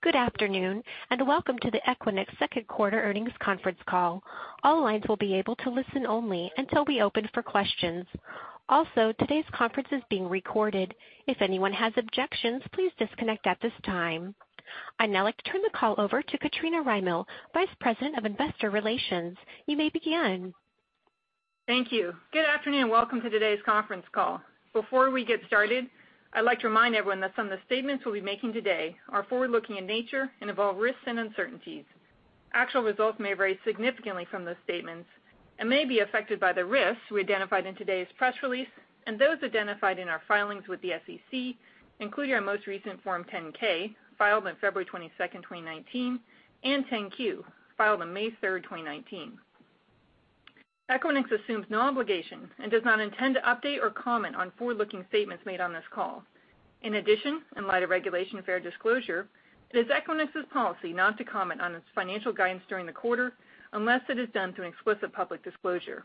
Good afternoon. Welcome to the Equinix second quarter earnings conference call. All lines will be able to listen only until we open for questions. Today's conference is being recorded. If anyone has objections, please disconnect at this time. I'd now like to turn the call over to Katrina Rymill, Vice President of Investor Relations. You may begin. Thank you. Good afternoon. Welcome to today's conference call. Before we get started, I'd like to remind everyone that some of the statements we'll be making today are forward-looking in nature and involve risks and uncertainties. Actual results may vary significantly from those statements and may be affected by the risks we identified in today's press release and those identified in our filings with the SEC, including our most recent Form 10-K, filed on February 22nd, 2019, and 10-Q, filed on May 3rd, 2019. Equinix assumes no obligation and does not intend to update or comment on forward-looking statements made on this call. In light of regulation fair disclosure, it is Equinix's policy not to comment on its financial guidance during the quarter unless it is done through an explicit public disclosure.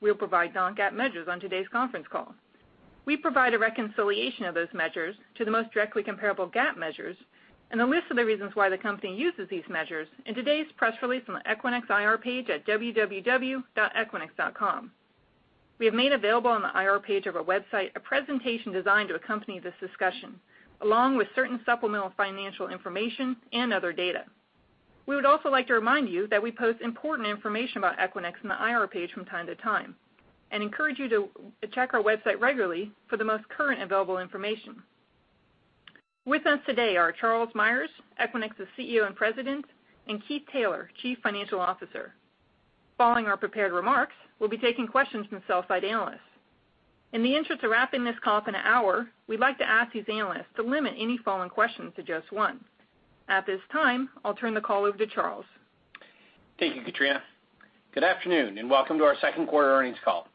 We'll provide non-GAAP measures on today's conference call. We provide a reconciliation of those measures to the most directly comparable GAAP measures and a list of the reasons why the company uses these measures in today's press release on the Equinix IR page at www.equinix.com. We have made available on the IR page of our website a presentation designed to accompany this discussion, along with certain supplemental financial information and other data. We would also like to remind you that we post important information about Equinix on the IR page from time to time and encourage you to check our website regularly for the most current available information. With us today are Charles Meyers, Equinix's CEO and President, and Keith Taylor, Chief Financial Officer. Following our prepared remarks, we'll be taking questions from sell side analysts. In the interest of wrapping this call up in an hour, we'd like to ask these analysts to limit any following questions to just one. At this time, I'll turn the call over to Charles. Thank you, Katrina. Good afternoon, and welcome to our second quarter earnings call.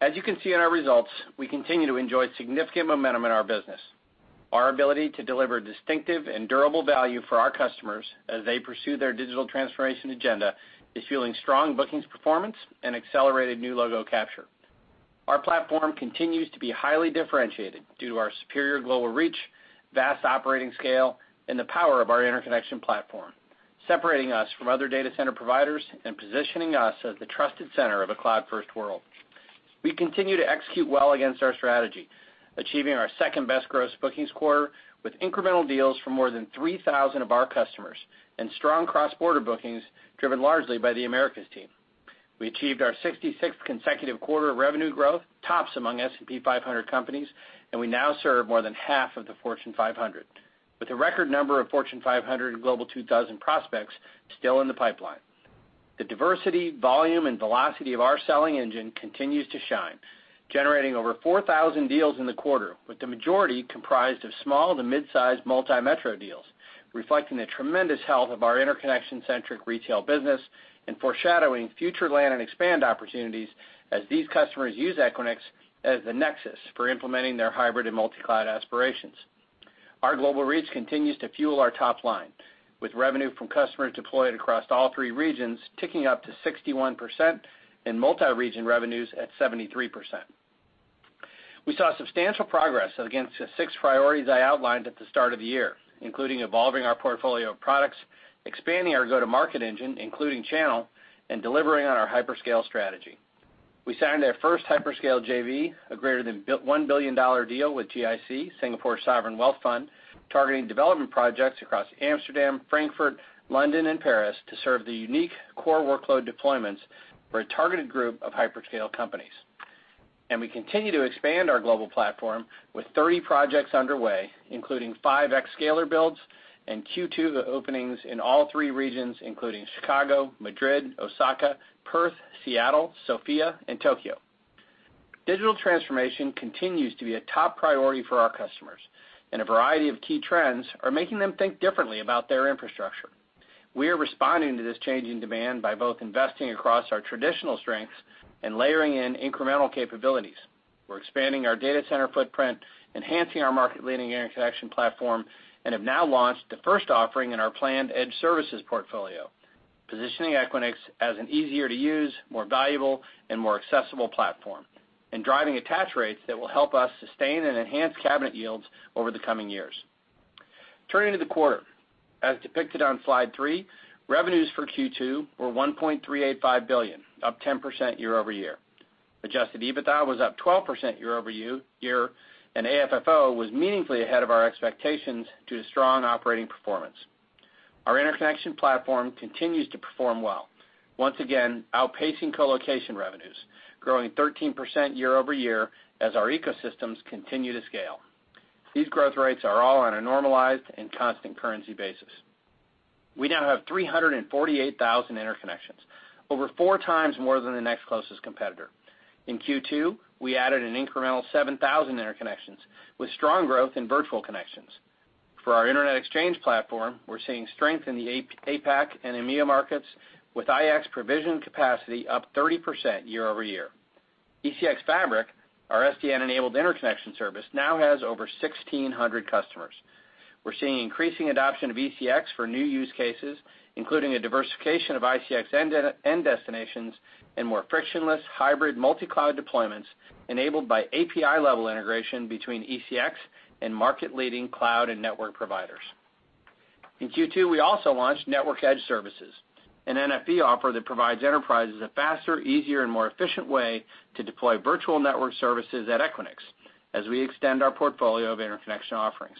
As you can see in our results, we continue to enjoy significant momentum in our business. Our ability to deliver distinctive and durable value for our customers as they pursue their digital transformation agenda is fueling strong bookings performance and accelerated new logo capture. Our platform continues to be highly differentiated due to our superior global reach, vast operating scale, and the power of our interconnection platform, separating us from other data center providers and positioning us as the trusted center of a cloud-first world. We continue to execute well against our strategy, achieving our second-best gross bookings quarter with incremental deals for more than 3,000 of our customers and strong cross-border bookings driven largely by the Americas team. We achieved our 66th consecutive quarter of revenue growth, tops among S&P 500 companies. We now serve more than half of the Fortune 500 with a record number of Fortune 500 and Global 2000 prospects still in the pipeline. The diversity, volume, and velocity of our selling engine continues to shine, generating over 4,000 deals in the quarter, with the majority comprised of small to midsize multi-metro deals, reflecting the tremendous health of our interconnection-centric retail business and foreshadowing future land and expand opportunities as these customers use Equinix as the nexus for implementing their hybrid and multi-cloud aspirations. Our global reach continues to fuel our top line, with revenue from customers deployed across all three regions ticking up to 61% and multi-region revenues at 73%. We saw substantial progress against the six priorities I outlined at the start of the year, including evolving our portfolio of products, expanding our go-to-market engine, including channel, and delivering on our hyperscale strategy. We signed our first hyperscale JV, a greater than $1 billion deal with GIC, Singapore sovereign wealth fund, targeting development projects across Amsterdam, Frankfurt, London, and Paris to serve the unique core workload deployments for a targeted group of hyperscale companies. We continue to expand our global platform with 30 projects underway, including five xScale builds and Q2 openings in all three regions, including Chicago, Madrid, Osaka, Perth, Seattle, Sofia, and Tokyo. Digital transformation continues to be a top priority for our customers, and a variety of key trends are making them think differently about their infrastructure. We are responding to this change in demand by both investing across our traditional strengths and layering in incremental capabilities. We're expanding our data center footprint, enhancing our market-leading interconnection platform, and have now launched the first offering in our planned edge services portfolio, positioning Equinix as an easier-to-use, more valuable, and more accessible platform and driving attach rates that will help us sustain and enhance cabinet yields over the coming years. Turning to the quarter. As depicted on slide three, revenues for Q2 were $1.385 billion, up 10% year-over-year. Adjusted EBITDA was up 12% year-over-year, and AFFO was meaningfully ahead of our expectations due to strong operating performance. Our interconnection platform continues to perform well, once again outpacing colocation revenues, growing 13% year-over-year as our ecosystems continue to scale. These growth rates are all on a normalized and constant currency basis. We now have 348,000 interconnections, over four times more than the next closest competitor. In Q2, we added an incremental 7,000 interconnections with strong growth in virtual connections. For our Internet exchange platform, we're seeing strength in the APAC and EMEA markets, with IX provision capacity up 30% year-over-year. ECX Fabric, our SDN-enabled interconnection service, now has over 1,600 customers. We're seeing increasing adoption of ECX for new use cases, including a diversification of ECX end destinations and more frictionless hybrid multi-cloud deployments enabled by API-level integration between ECX and market-leading cloud and network providers. In Q2, we also launched Network Edge Services, an NFV offer that provides enterprises a faster, easier, and more efficient way to deploy virtual network services at Equinix as we extend our portfolio of interconnection offerings.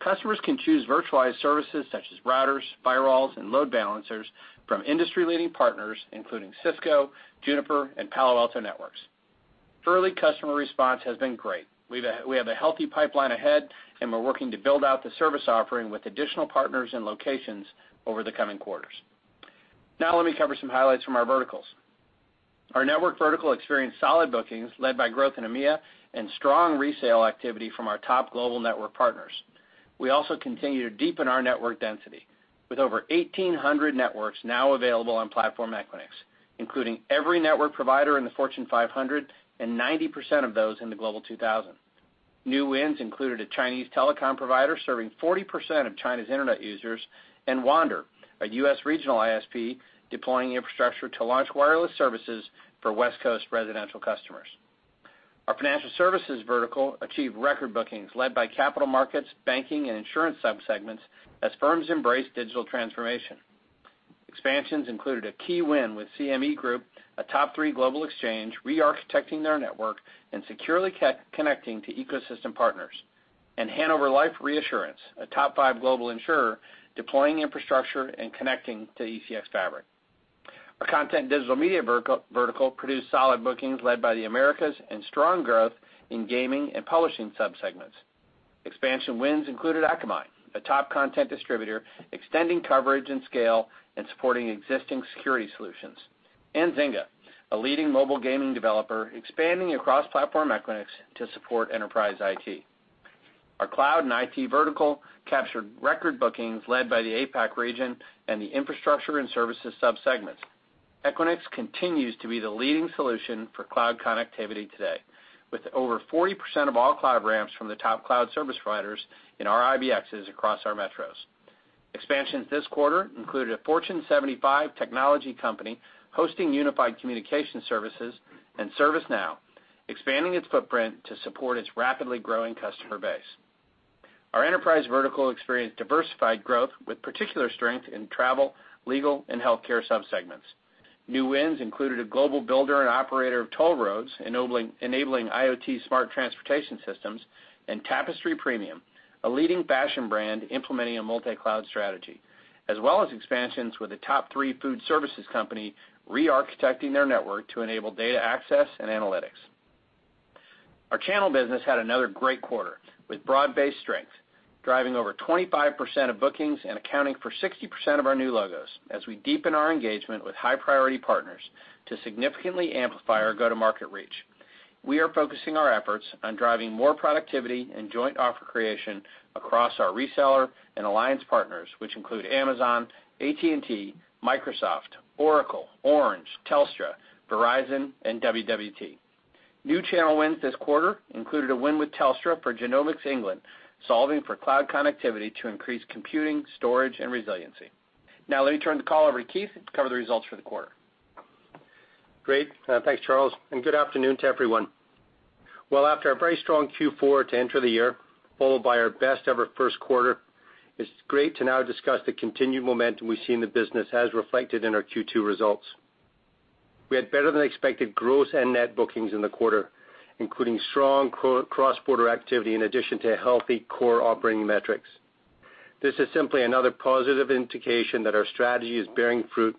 Customers can choose virtualized services such as routers, firewalls, and load balancers from industry-leading partners, including Cisco, Juniper, and Palo Alto Networks. Early customer response has been great. We have a healthy pipeline ahead, and we're working to build out the service offering with additional partners and locations over the coming quarters. Now let me cover some highlights from our verticals. Our network vertical experienced solid bookings, led by growth in EMEA and strong resale activity from our top global network partners. We also continue to deepen our network density, with over 1,800 networks now available on Platform Equinix, including every network provider in the Fortune 500 and 90% of those in the Global 2000. New wins included a Chinese telecom provider serving 40% of China's internet users, and Wander, a U.S. regional ISP deploying infrastructure to launch wireless services for West Coast residential customers. Our financial services vertical achieved record bookings led by capital markets, banking, and insurance subsegments as firms embrace digital transformation. Expansions included a key win with CME Group, a top three global exchange, re-architecting their network and securely connecting to ecosystem partners. Hannover Life Reassurance, a top five global insurer, deploying infrastructure and connecting to ECX Fabric. Our content digital media vertical produced solid bookings led by the Americas and strong growth in gaming and publishing subsegments. Expansion wins included Akamai, a top content distributor, extending coverage and scale and supporting existing security solutions. Zynga, a leading mobile gaming developer, expanding across Platform Equinix to support enterprise IT. Our cloud and IT vertical captured record bookings led by the APAC region and the infrastructure and services subsegments. Equinix continues to be the leading solution for cloud connectivity today, with over 40% of all cloud ramps from the top cloud service providers in our IBXs across our metros. Expansions this quarter included a Fortune 75 technology company hosting unified communication services and ServiceNow, expanding its footprint to support its rapidly growing customer base. Our enterprise vertical experienced diversified growth with particular strength in travel, legal, and healthcare subsegments. New wins included a global builder and operator of toll roads, enabling IoT smart transportation systems, and Tapestry Premium, a leading fashion brand implementing a multi-cloud strategy, as well as expansions with a top three food services company re-architecting their network to enable data access and analytics. Our channel business had another great quarter, with broad-based strength, driving over 25% of bookings and accounting for 60% of our new logos as we deepen our engagement with high-priority partners to significantly amplify our go-to-market reach. We are focusing our efforts on driving more productivity and joint offer creation across our reseller and alliance partners, which include Amazon, AT&T, Microsoft, Oracle, Orange, Telstra, Verizon, and WWT. New channel wins this quarter included a win with Telstra for Genomics England, solving for cloud connectivity to increase computing, storage, and resiliency. Now let me turn the call over to Keith to cover the results for the quarter. Great. Thanks, Charles, and good afternoon to everyone. Well, after a very strong Q4 to enter the year, followed by our best ever first quarter, it's great to now discuss the continued momentum we see in the business as reflected in our Q2 results. We had better-than-expected gross and net bookings in the quarter, including strong cross-border activity in addition to healthy core operating metrics. This is simply another positive indication that our strategy is bearing fruit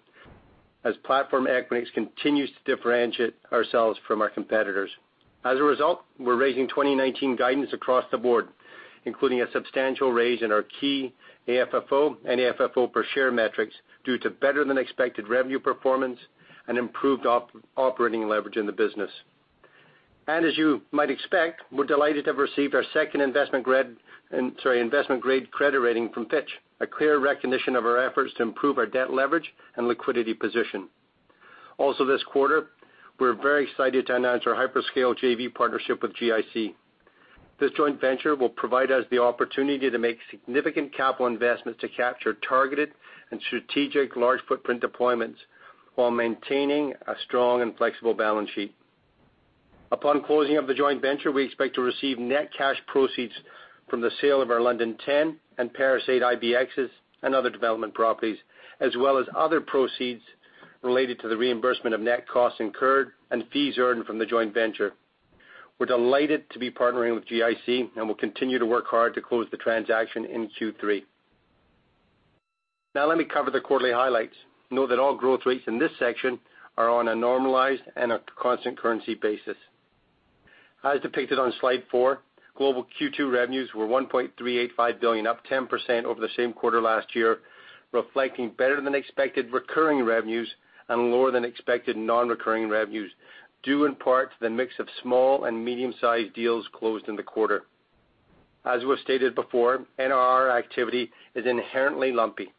as Platform Equinix continues to differentiate ourselves from our competitors. As a result, we're raising 2019 guidance across the board, including a substantial raise in our key AFFO and AFFO per share metrics due to better than expected revenue performance and improved operating leverage in the business. As you might expect, we're delighted to have received our second investment-grade credit rating from Fitch, a clear recognition of our efforts to improve our debt leverage and liquidity position. Also this quarter, we're very excited to announce our hyperscale JV partnership with GIC. This joint venture will provide us the opportunity to make significant capital investments to capture targeted and strategic large footprint deployments while maintaining a strong and flexible balance sheet. Upon closing of the joint venture, we expect to receive net cash proceeds from the sale of our London 10 and Paris 8 IBXs and other development properties, as well as other proceeds related to the reimbursement of net costs incurred and fees earned from the joint venture. We're delighted to be partnering with GIC, and we'll continue to work hard to close the transaction in Q3. Now let me cover the quarterly highlights. Know that all growth rates in this section are on a normalized and a constant currency basis. As depicted on slide four, global Q2 revenues were $1.385 billion, up 10% over the same quarter last year, reflecting better than expected recurring revenues and lower than expected non-recurring revenues, due in part to the mix of small and medium-sized deals closed in the quarter. As we have stated before, NRR activity is inherently lumpy.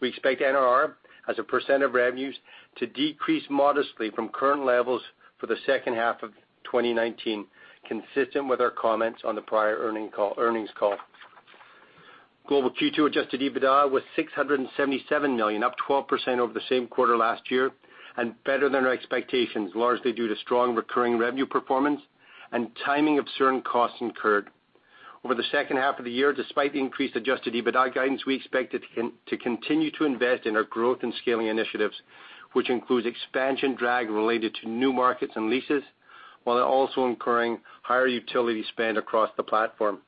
We expect NRR as a percent of revenues to decrease modestly from current levels for the second half of 2019, consistent with our comments on the prior earnings call. Global Q2 adjusted EBITDA was $677 million, up 12% over the same quarter last year and better than our expectations, largely due to strong recurring revenue performance and timing of certain costs incurred. Over the second half of the year, despite the increased adjusted EBITDA guidance, we expected to continue to invest in our growth and scaling initiatives, which includes expansion drag related to new markets and leases, while also incurring higher utility spend across the platform.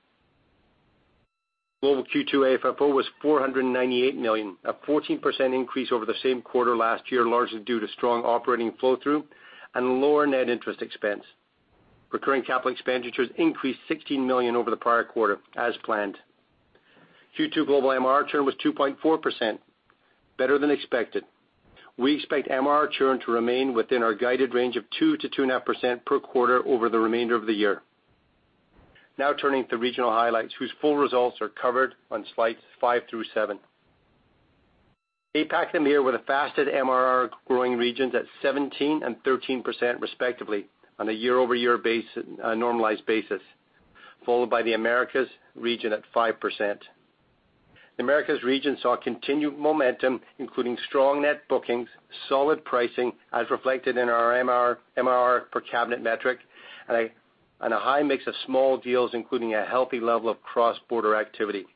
Global Q2 AFFO was $498 million, a 14% increase over the same quarter last year, largely due to strong operating flow-through and lower net interest expense. Recurring capital expenditures increased $16 million over the prior quarter, as planned. Q2 global MRR churn was 2.4%, better than expected. We expect MRR churn to remain within our guided range of 2%-2.5% per quarter over the remainder of the year. Now turning to the regional highlights, whose full results are covered on slides five through seven. APAC and EMEA were the fastest MRR growing regions at 17% and 13% respectively on a year-over-year normalized basis, followed by the Americas region at 5%. The Americas region saw continued momentum, including strong net bookings, solid pricing as reflected in our MRR per cabinet metric, and a high mix of small deals, including a healthy level of cross-border activity.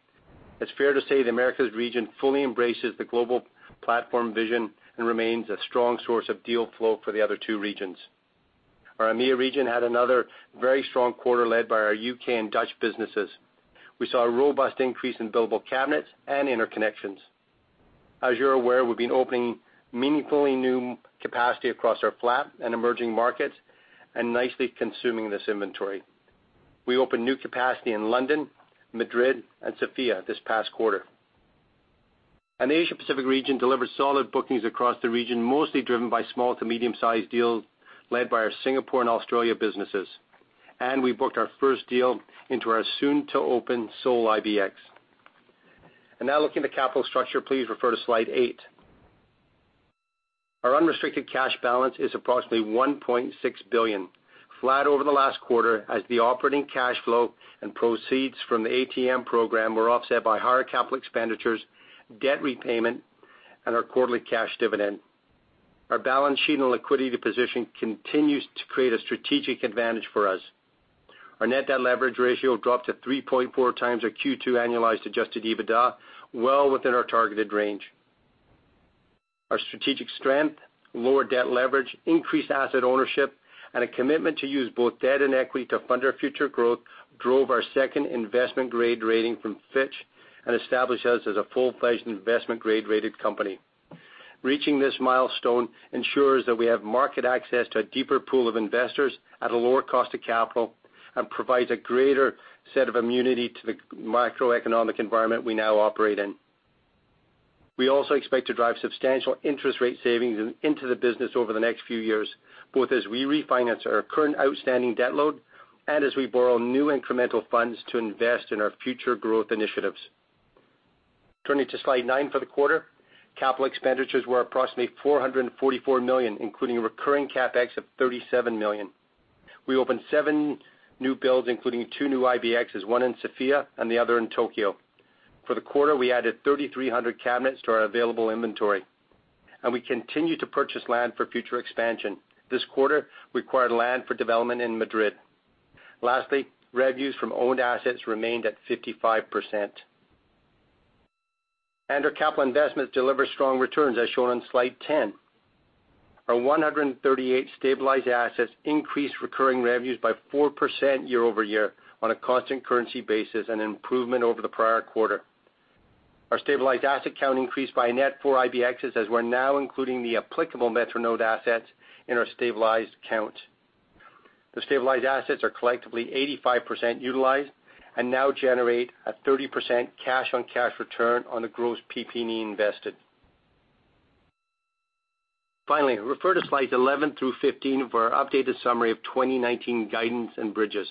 It's fair to say the Americas region fully embraces the global platform vision and remains a strong source of deal flow for the other two regions. Our EMEA region had another very strong quarter led by our U.K. and Dutch businesses. We saw a robust increase in billable cabinets and interconnections. As you're aware, we've been opening meaningfully new capacity across our flat and emerging markets and nicely consuming this inventory. We opened new capacity in London, Madrid, and Sofia this past quarter. The Asia Pacific region delivered solid bookings across the region, mostly driven by small to medium-sized deals led by our Singapore and Australia businesses, and we booked our first deal into our soon-to-open Seoul IBX. Now looking to capital structure, please refer to slide eight. Our unrestricted cash balance is approximately $1.6 billion, flat over the last quarter as the operating cash flow and proceeds from the ATM program were offset by higher capital expenditures, debt repayment, and our quarterly cash dividend. Our balance sheet and liquidity position continues to create a strategic advantage for us. Our net debt leverage ratio dropped to 3.4 times our Q2 annualized adjusted EBITDA, well within our targeted range. Our strategic strength, lower debt leverage, increased asset ownership, and a commitment to use both debt and equity to fund our future growth drove our second investment-grade rating from Fitch and established us as a full-fledged investment-grade rated company. Reaching this milestone ensures that we have market access to a deeper pool of investors at a lower cost of capital and provides a greater set of immunity to the macroeconomic environment we now operate in. We also expect to drive substantial interest rate savings into the business over the next few years, both as we refinance our current outstanding debt load and as we borrow new incremental funds to invest in our future growth initiatives. Turning to slide nine for the quarter. Capital expenditures were approximately $444 million, including recurring CapEx of $37 million. We opened seven new builds, including two new IBXs, one in Sofia and the other in Tokyo. For the quarter, we added 3,300 cabinets to our available inventory, and we continue to purchase land for future expansion. This quarter, we acquired land for development in Madrid. Lastly, revenues from owned assets remained at 55%. Our capital investments delivered strong returns, as shown on slide 10. Our 138 stabilized assets increased recurring revenues by 4% year-over-year on a constant currency basis, an improvement over the prior quarter. Our stabilized asset count increased by a net four IBXs, as we're now including the applicable Metronode assets in our stabilized count. The stabilized assets are collectively 85% utilized and now generate a 30% cash-on-cash return on the gross PP&E invested. Finally, refer to slides 11 through 15 for our updated summary of 2019 guidance and bridges.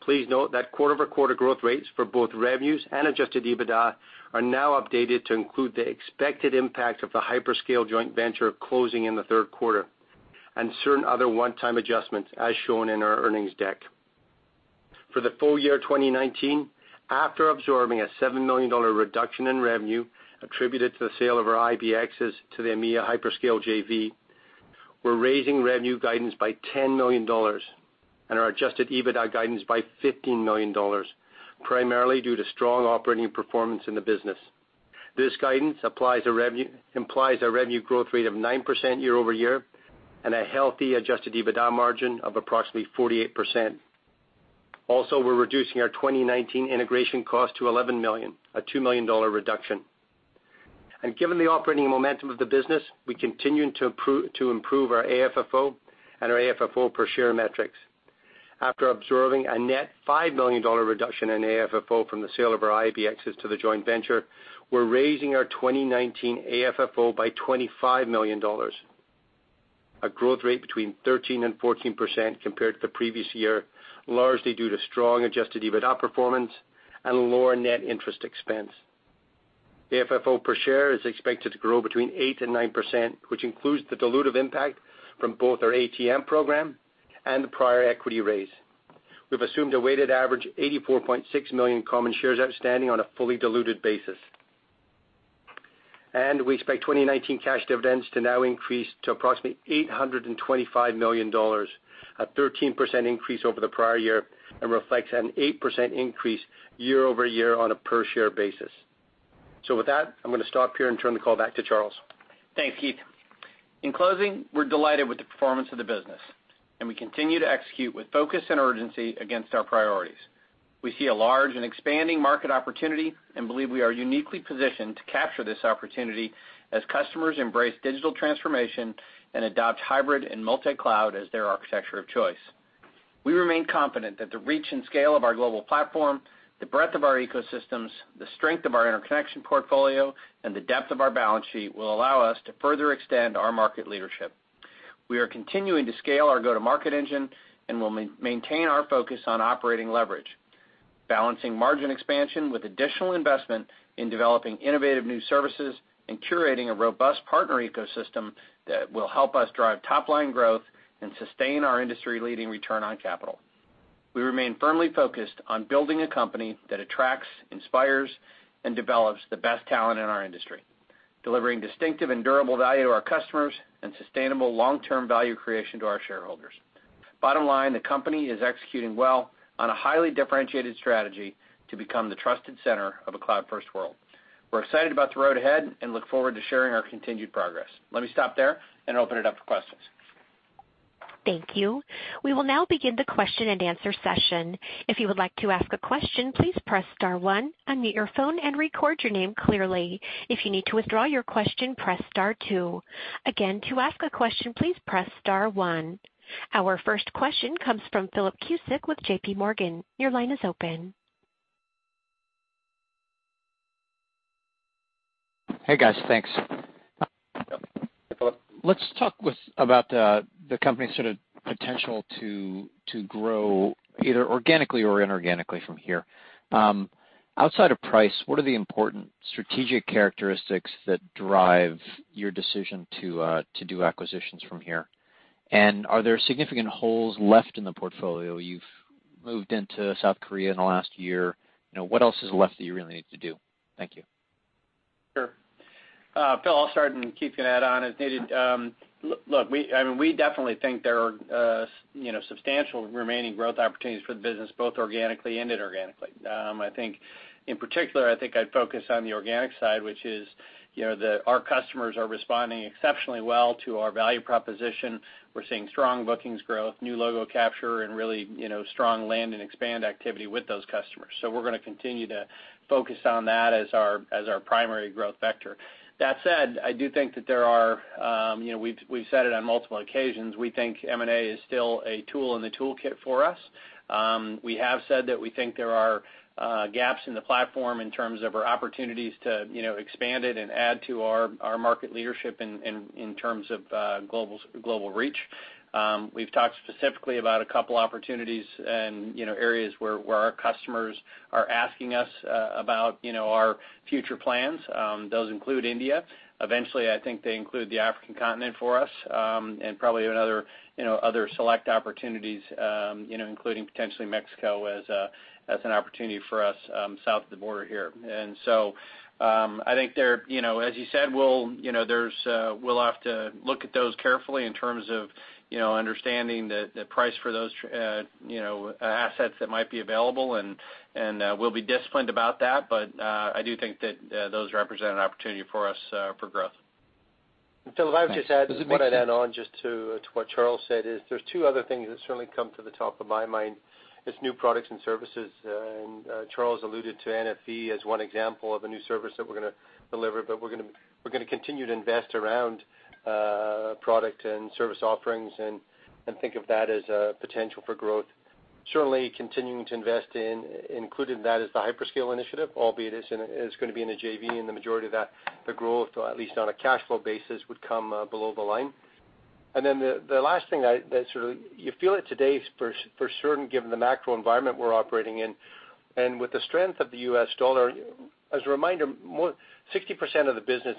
Please note that quarter-over-quarter growth rates for both revenues and adjusted EBITDA are now updated to include the expected impact of the Hyperscale joint venture closing in the third quarter and certain other one-time adjustments, as shown in our earnings deck. For the full year 2019, after absorbing a $7 million reduction in revenue attributed to the sale of our IBXs to the EMEA Hyperscale JV, we're raising revenue guidance by $10 million and our adjusted EBITDA guidance by $15 million, primarily due to strong operating performance in the business. This guidance implies a revenue growth rate of 9% year-over-year and a healthy adjusted EBITDA margin of approximately 48%. We're reducing our 2019 integration cost to $11 million, a $2 million reduction. Given the operating momentum of the business, we continue to improve our AFFO and our AFFO per share metrics. After absorbing a net $5 million reduction in AFFO from the sale of our IBXs to the joint venture, we're raising our 2019 AFFO by $25 million, a growth rate between 13% and 14% compared to the previous year, largely due to strong adjusted EBITDA performance and lower net interest expense. AFFO per share is expected to grow between 8% and 9%, which includes the dilutive impact from both our ATM program and the prior equity raise. We've assumed a weighted average 84.6 million common shares outstanding on a fully diluted basis. We expect 2019 cash dividends to now increase to approximately $825 million, a 13% increase over the prior year and reflects an 8% increase year-over-year on a per-share basis. With that, I'm going to stop here and turn the call back to Charles. Thanks, Keith. In closing, we're delighted with the performance of the business, and we continue to execute with focus and urgency against our priorities. We see a large and expanding market opportunity and believe we are uniquely positioned to capture this opportunity as customers embrace digital transformation and adopt hybrid and multi-cloud as their architecture of choice. We remain confident that the reach and scale of our global platform, the breadth of our ecosystems, the strength of our interconnection portfolio, and the depth of our balance sheet will allow us to further extend our market leadership. We are continuing to scale our go-to-market engine, and we'll maintain our focus on operating leverage, balancing margin expansion with additional investment in developing innovative new services and curating a robust partner ecosystem that will help us drive top-line growth and sustain our industry-leading return on capital. We remain firmly focused on building a company that attracts, inspires, and develops the best talent in our industry, delivering distinctive and durable value to our customers and sustainable long-term value creation to our shareholders. Bottom line, the company is executing well on a highly differentiated strategy to become the trusted center of a cloud-first world. We're excited about the road ahead and look forward to sharing our continued progress. Let me stop there and open it up for questions. Thank you. We will now begin the question and answer session. If you would like to ask a question, please press star one, unmute your phone and record your name clearly. If you need to withdraw your question, press star two. Again, to ask a question, please press star one. Our first question comes from Philip Cusick with JP Morgan. Your line is open. Hey, guys. Thanks. Philip. Let's talk about the company's potential to grow either organically or inorganically from here. Outside of price, what are the important strategic characteristics that drive your decision to do acquisitions from here? Are there significant holes left in the portfolio? You've moved into South Korea in the last year. What else is left that you really need to do? Thank you. Sure. Philip, I'll start, and Keith can add on as needed. Look, we definitely think there are substantial remaining growth opportunities for the business, both organically and inorganically. In particular, I think I'd focus on the organic side, which is that our customers are responding exceptionally well to our value proposition. We're seeing strong bookings growth, new logo capture, and really strong land and expand activity with those customers. We're going to continue to focus on that as our primary growth vector. That said, we've said it on multiple occasions, we think M&A is still a tool in the toolkit for us. We have said that we think there are gaps in the Platform in terms of our opportunities to expand it and add to our market leadership in terms of global reach. We've talked specifically about a couple opportunities and areas where our customers are asking us about our future plans. Those include India. Eventually, I think they include the African continent for us, and probably other select opportunities, including potentially Mexico as an opportunity for us south of the border here. I think as you said, we'll have to look at those carefully in terms of understanding the price for those assets that might be available, and we'll be disciplined about that. I do think that those represent an opportunity for us for growth. Philip, if I could just add. Does it make- What I'd add on just to what Charles Meyers said is there's two other things that certainly come to the top of my mind is new products and services. Charles Meyers alluded to NFV as one example of a new service that we're going to deliver, but we're going to continue to invest around product and service offerings and think of that as a potential for growth. Certainly, continuing to invest in, included in that is the hyperscale initiative, albeit it's going to be in a JV and the majority of that, the growth, or at least on a cash flow basis, would come below the line. The last thing that you feel it today for certain, given the macro environment we're operating in, and with the strength of the US dollar, as a reminder, 60% of the business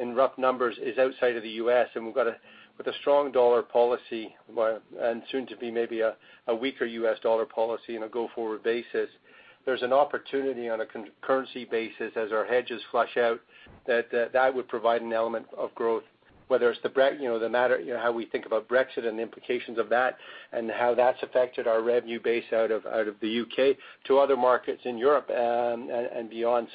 in rough numbers is outside of the U.S., and with a strong dollar policy and soon to be maybe a weaker US dollar policy on a go-forward basis, there's an opportunity on a currency basis as our hedges flush out that that would provide an element of growth. Whether it's how we think about Brexit and the implications of that and how that's affected our revenue base out of the U.K. to other markets in Europe and beyond.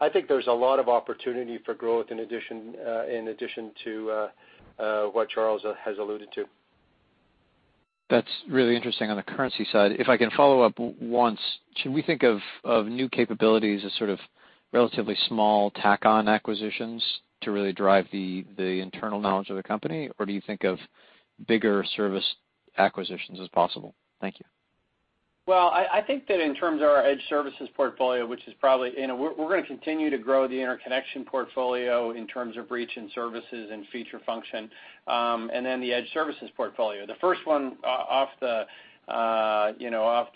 I think there's a lot of opportunity for growth in addition to what Charles has alluded to. That's really interesting on the currency side. If I can follow up once, should we think of new capabilities as sort of relatively small tack-on acquisitions to really drive the internal knowledge of the company? Or do you think of bigger service acquisitions as possible? Thank you. Well, I think that in terms of our Edge services portfolio, we're going to continue to grow the interconnection portfolio in terms of reach and services and feature function, and then the Edge services portfolio. The first one off the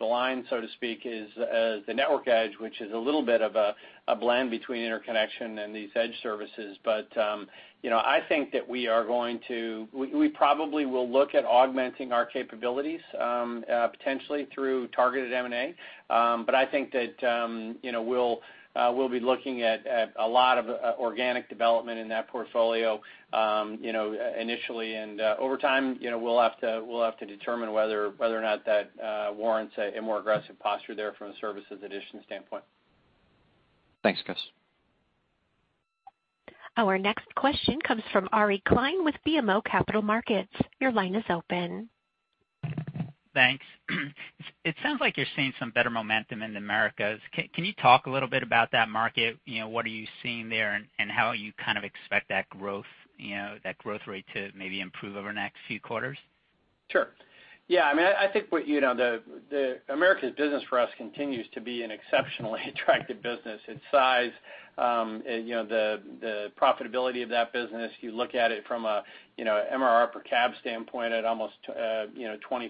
line, so to speak, is the Network Edge, which is a little bit of a blend between interconnection and these Edge services. I think that we probably will look at augmenting our capabilities, potentially through targeted M&A. I think that we'll be looking at a lot of organic development in that portfolio initially. Over time, we'll have to determine whether or not that warrants a more aggressive posture there from a services addition standpoint. Thanks, guys. Our next question comes from Aryeh Klein with BMO Capital Markets. Your line is open. Thanks. It sounds like you're seeing some better momentum in the Americas. Can you talk a little bit about that market? What are you seeing there, and how you expect that growth rate to maybe improve over the next few quarters? Sure. Yeah, I think the Americas business for us continues to be an exceptionally attractive business. Its size, the profitability of that business, you look at it from a MRR per cab standpoint at almost $2,400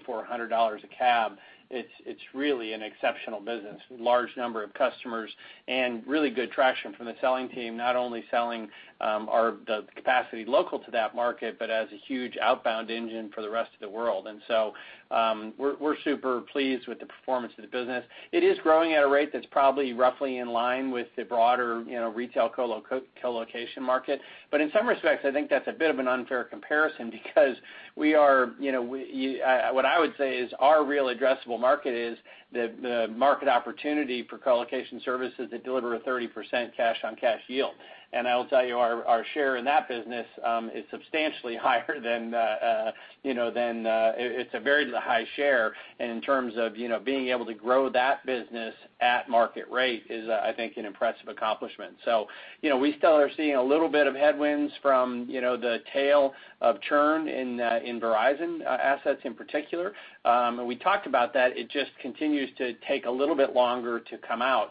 a cab, it's really an exceptional business, with large number of customers and really good traction from the selling team, not only selling the capacity local to that market, but as a huge outbound engine for the rest of the world. We're super pleased with the performance of the business. It is growing at a rate that's probably roughly in line with the broader retail co-location market. In some respects, I think that's a bit of an unfair comparison because what I would say is our real addressable market is the market opportunity for co-location services that deliver a 30% cash on cash yield. I will tell you, our share in that business is substantially higher. It's a very high share. In terms of being able to grow that business at market rate is, I think, an impressive accomplishment. We still are seeing a little bit of headwinds from the tail of churn in Verizon assets in particular. We talked about that. It just continues to take a little bit longer to come out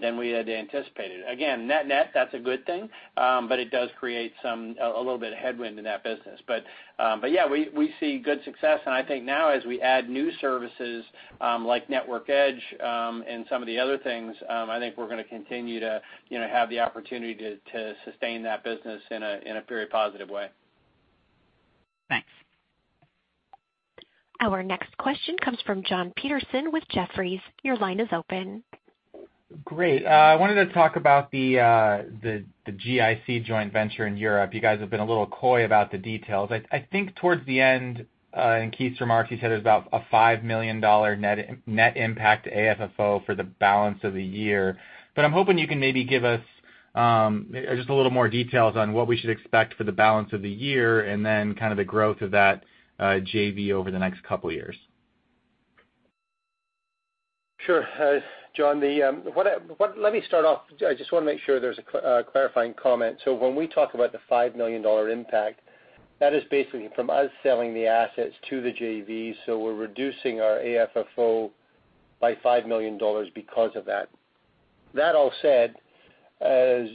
than we had anticipated. Again, net net, that's a good thing, but it does create a little bit of headwind in that business. Yeah, we see good success, and I think now as we add new services like Network Edge, and some of the other things, I think we're going to continue to have the opportunity to sustain that business in a very positive way. Thanks. Our next question comes from Jonathan Petersen with Jefferies. Your line is open. Great. I wanted to talk about the GIC joint venture in Europe. You guys have been a little coy about the details. I think towards the end, in Keith's remarks, he said there's about a $5 million net impact to AFFO for the balance of the year. I'm hoping you can maybe give us just a little more details on what we should expect for the balance of the year, and then the growth of that JV over the next couple of years. Sure. Jon, let me start off. I just want to make sure there's a clarifying comment. When we talk about the $5 million impact, that is basically from us selling the assets to the JV, so we're reducing our AFFO by $5 million because of that. That all said, as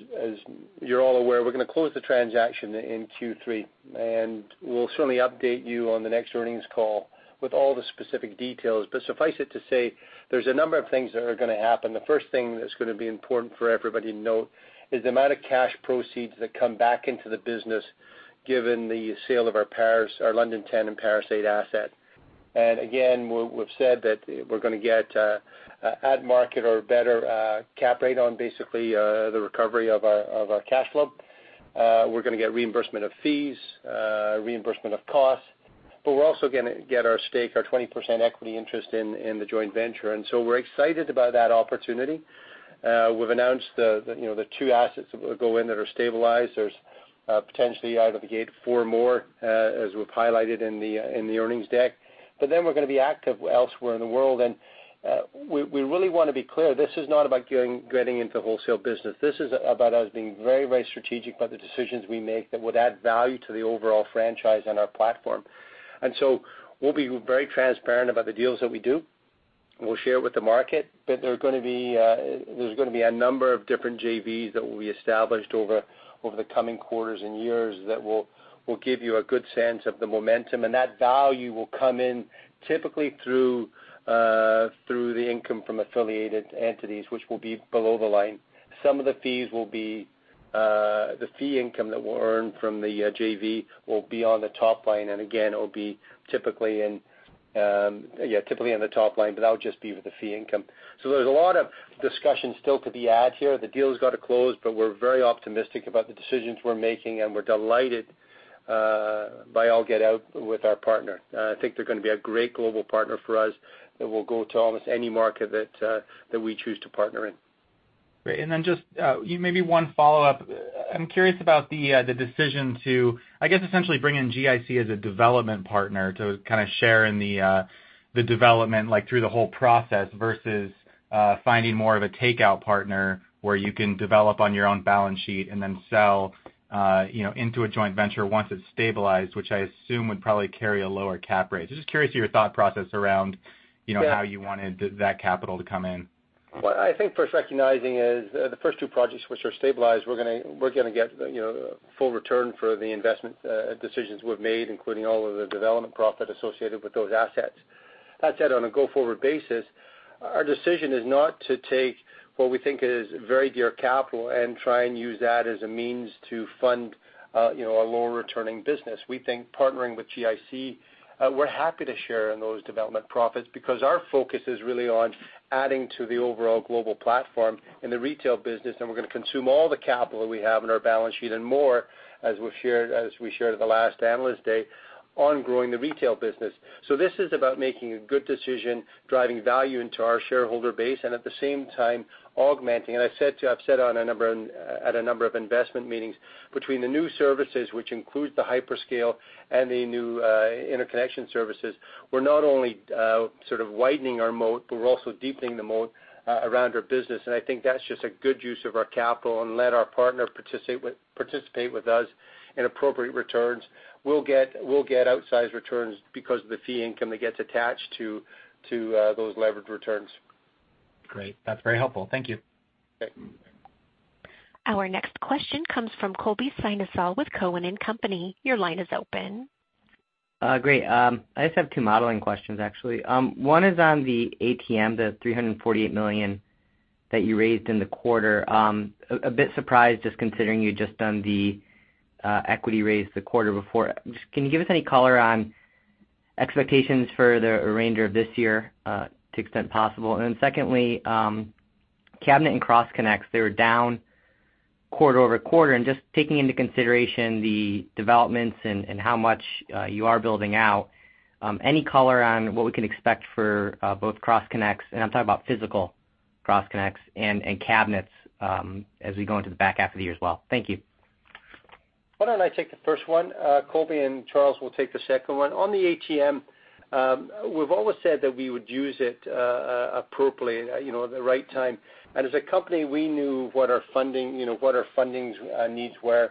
you're all aware, we're going to close the transaction in Q3, and we'll certainly update you on the next earnings call with all the specific details. Suffice it to say, there's a number of things that are going to happen. The first thing that's going to be important for everybody to note is the amount of cash proceeds that come back into the business, given the sale of our London 10 and Paris 8 asset. Again, we've said that we're going to get at market or better cap rate on basically the recovery of our cash flow. We're going to get reimbursement of fees, reimbursement of costs, but we're also going to get our stake, our 20% equity interest in the joint venture. We're excited about that opportunity. We've announced the two assets that will go in that are stabilized. There's potentially out of the gate four more, as we've highlighted in the earnings deck. We're going to be active elsewhere in the world, and we really want to be clear, this is not about getting into the wholesale business. This is about us being very, very strategic about the decisions we make that would add value to the overall franchise and our platform. We'll be very transparent about the deals that we do. We'll share with the market. There's going to be a number of different JVs that will be established over the coming quarters and years that will give you a good sense of the momentum, and that value will come in typically through the income from affiliated entities, which will be below the line. Some of the fees will be the fee income that we'll earn from the JV will be on the top line, and again, it will be typically in the top line, but that would just be with the fee income. There's a lot of discussion still to be had here. The deal's got to close, but we're very optimistic about the decisions we're making, and we're delighted by all get out with our partner. I think they're going to be a great global partner for us that will go to almost any market that we choose to partner in. Great. Just maybe one follow-up. I'm curious about the decision to, I guess, essentially bring in GIC as a development partner to share in the development through the whole process versus finding more of a takeout partner where you can develop on your own balance sheet and then sell into a joint venture once it's stabilized, which I assume would probably carry a lower cap rate. Just curious to your thought process around how you wanted that capital to come in. I think first recognizing is the first two projects, which are stabilized, we're going to get full return for the investment decisions we've made, including all of the development profit associated with those assets. That said, on a go-forward basis, our decision is not to take what we think is very dear capital and try and use that as a means to fund a lower returning business. We think partnering with GIC, we're happy to share in those development profits because our focus is really on adding to the overall global platform in the retail business, and we're going to consume all the capital that we have on our balance sheet and more, as we shared at the last Analyst Day, on growing the retail business. This is about making a good decision, driving value into our shareholder base, and at the same time augmenting. I've said at a number of investment meetings between the new services, which includes the hyperscale and the new interconnection services, we're not only widening our moat, but we're also deepening the moat around our business. I think that's just a good use of our capital, and let our partner participate with us in appropriate returns. We'll get outsized returns because of the fee income that gets attached to those leveraged returns. Great. That's very helpful. Thank you. Our next question comes from Colby Synesael with Cowen and Company. Your line is open. Great. I just have two modeling questions, actually. One is on the ATM, the $348 million that you raised in the quarter. A bit surprised, just considering you'd just done the equity raise the quarter before. Can you give us any color on expectations for the remainder of this year to the extent possible? Secondly, cabinet and cross connects, they were down quarter-over-quarter, and just taking into consideration the developments and how much you are building out, any color on what we can expect for both cross connects, and I'm talking about physical cross connects, and cabinets as we go into the back half of the year as well. Thank you. Why don't I take the first one? Colby and Charles will take the second one. On the ATM, we've always said that we would use it appropriately at the right time. As a company, we knew what our funding needs were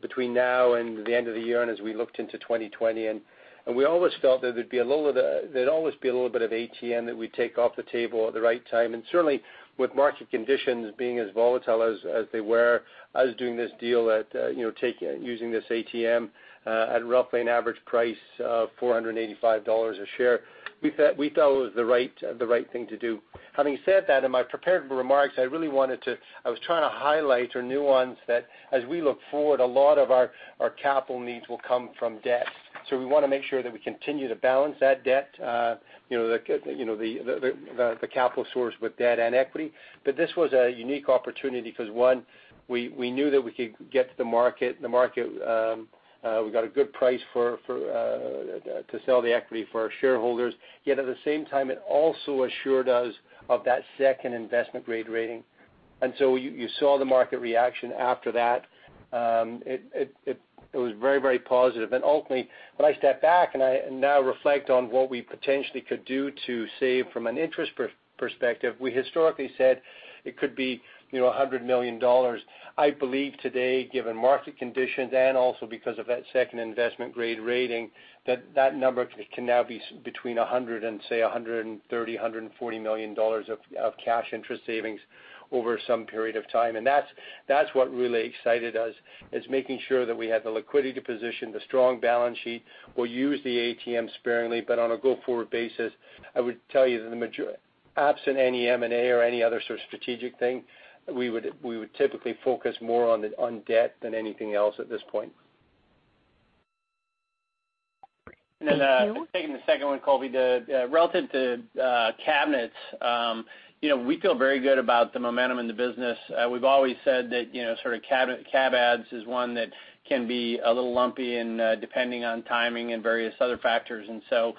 between now and the end of the year, and as we looked into 2020, and we always felt there'd always be a little bit of ATM that we'd take off the table at the right time. Certainly, with market conditions being as volatile as they were, us doing this deal using this ATM at roughly an average price of $485 a share, we felt it was the right thing to do. Having said that, in my prepared remarks, I was trying to highlight or nuance that as we look forward, a lot of our capital needs will come from debt. We want to make sure that we continue to balance that debt, the capital source with debt and equity. This was a unique opportunity because one, we knew that we could get to the market. We got a good price to sell the equity for our shareholders. At the same time, it also assured us of that second investment-grade rating. You saw the market reaction after that. It was very positive. Ultimately, when I step back and I now reflect on what we potentially could do to save from an interest perspective, we historically said it could be $100 million. I believe today, given market conditions and also because of that second investment-grade rating, that number can now be between $100 million and say, $130 million, $140 million of cash interest savings over some period of time. That's what really excited us, is making sure that we had the liquidity position, the strong balance sheet. We'll use the ATM sparingly, but on a go-forward basis, I would tell you that absent any M&A or any other sort of strategic thing, we would typically focus more on debt than anything else at this point. Thank you. Then taking the second one, Colby, relative to cabinets. We feel very good about the momentum in the business. We've always said that cab adds is one that can be a little lumpy depending on timing and various other factors. So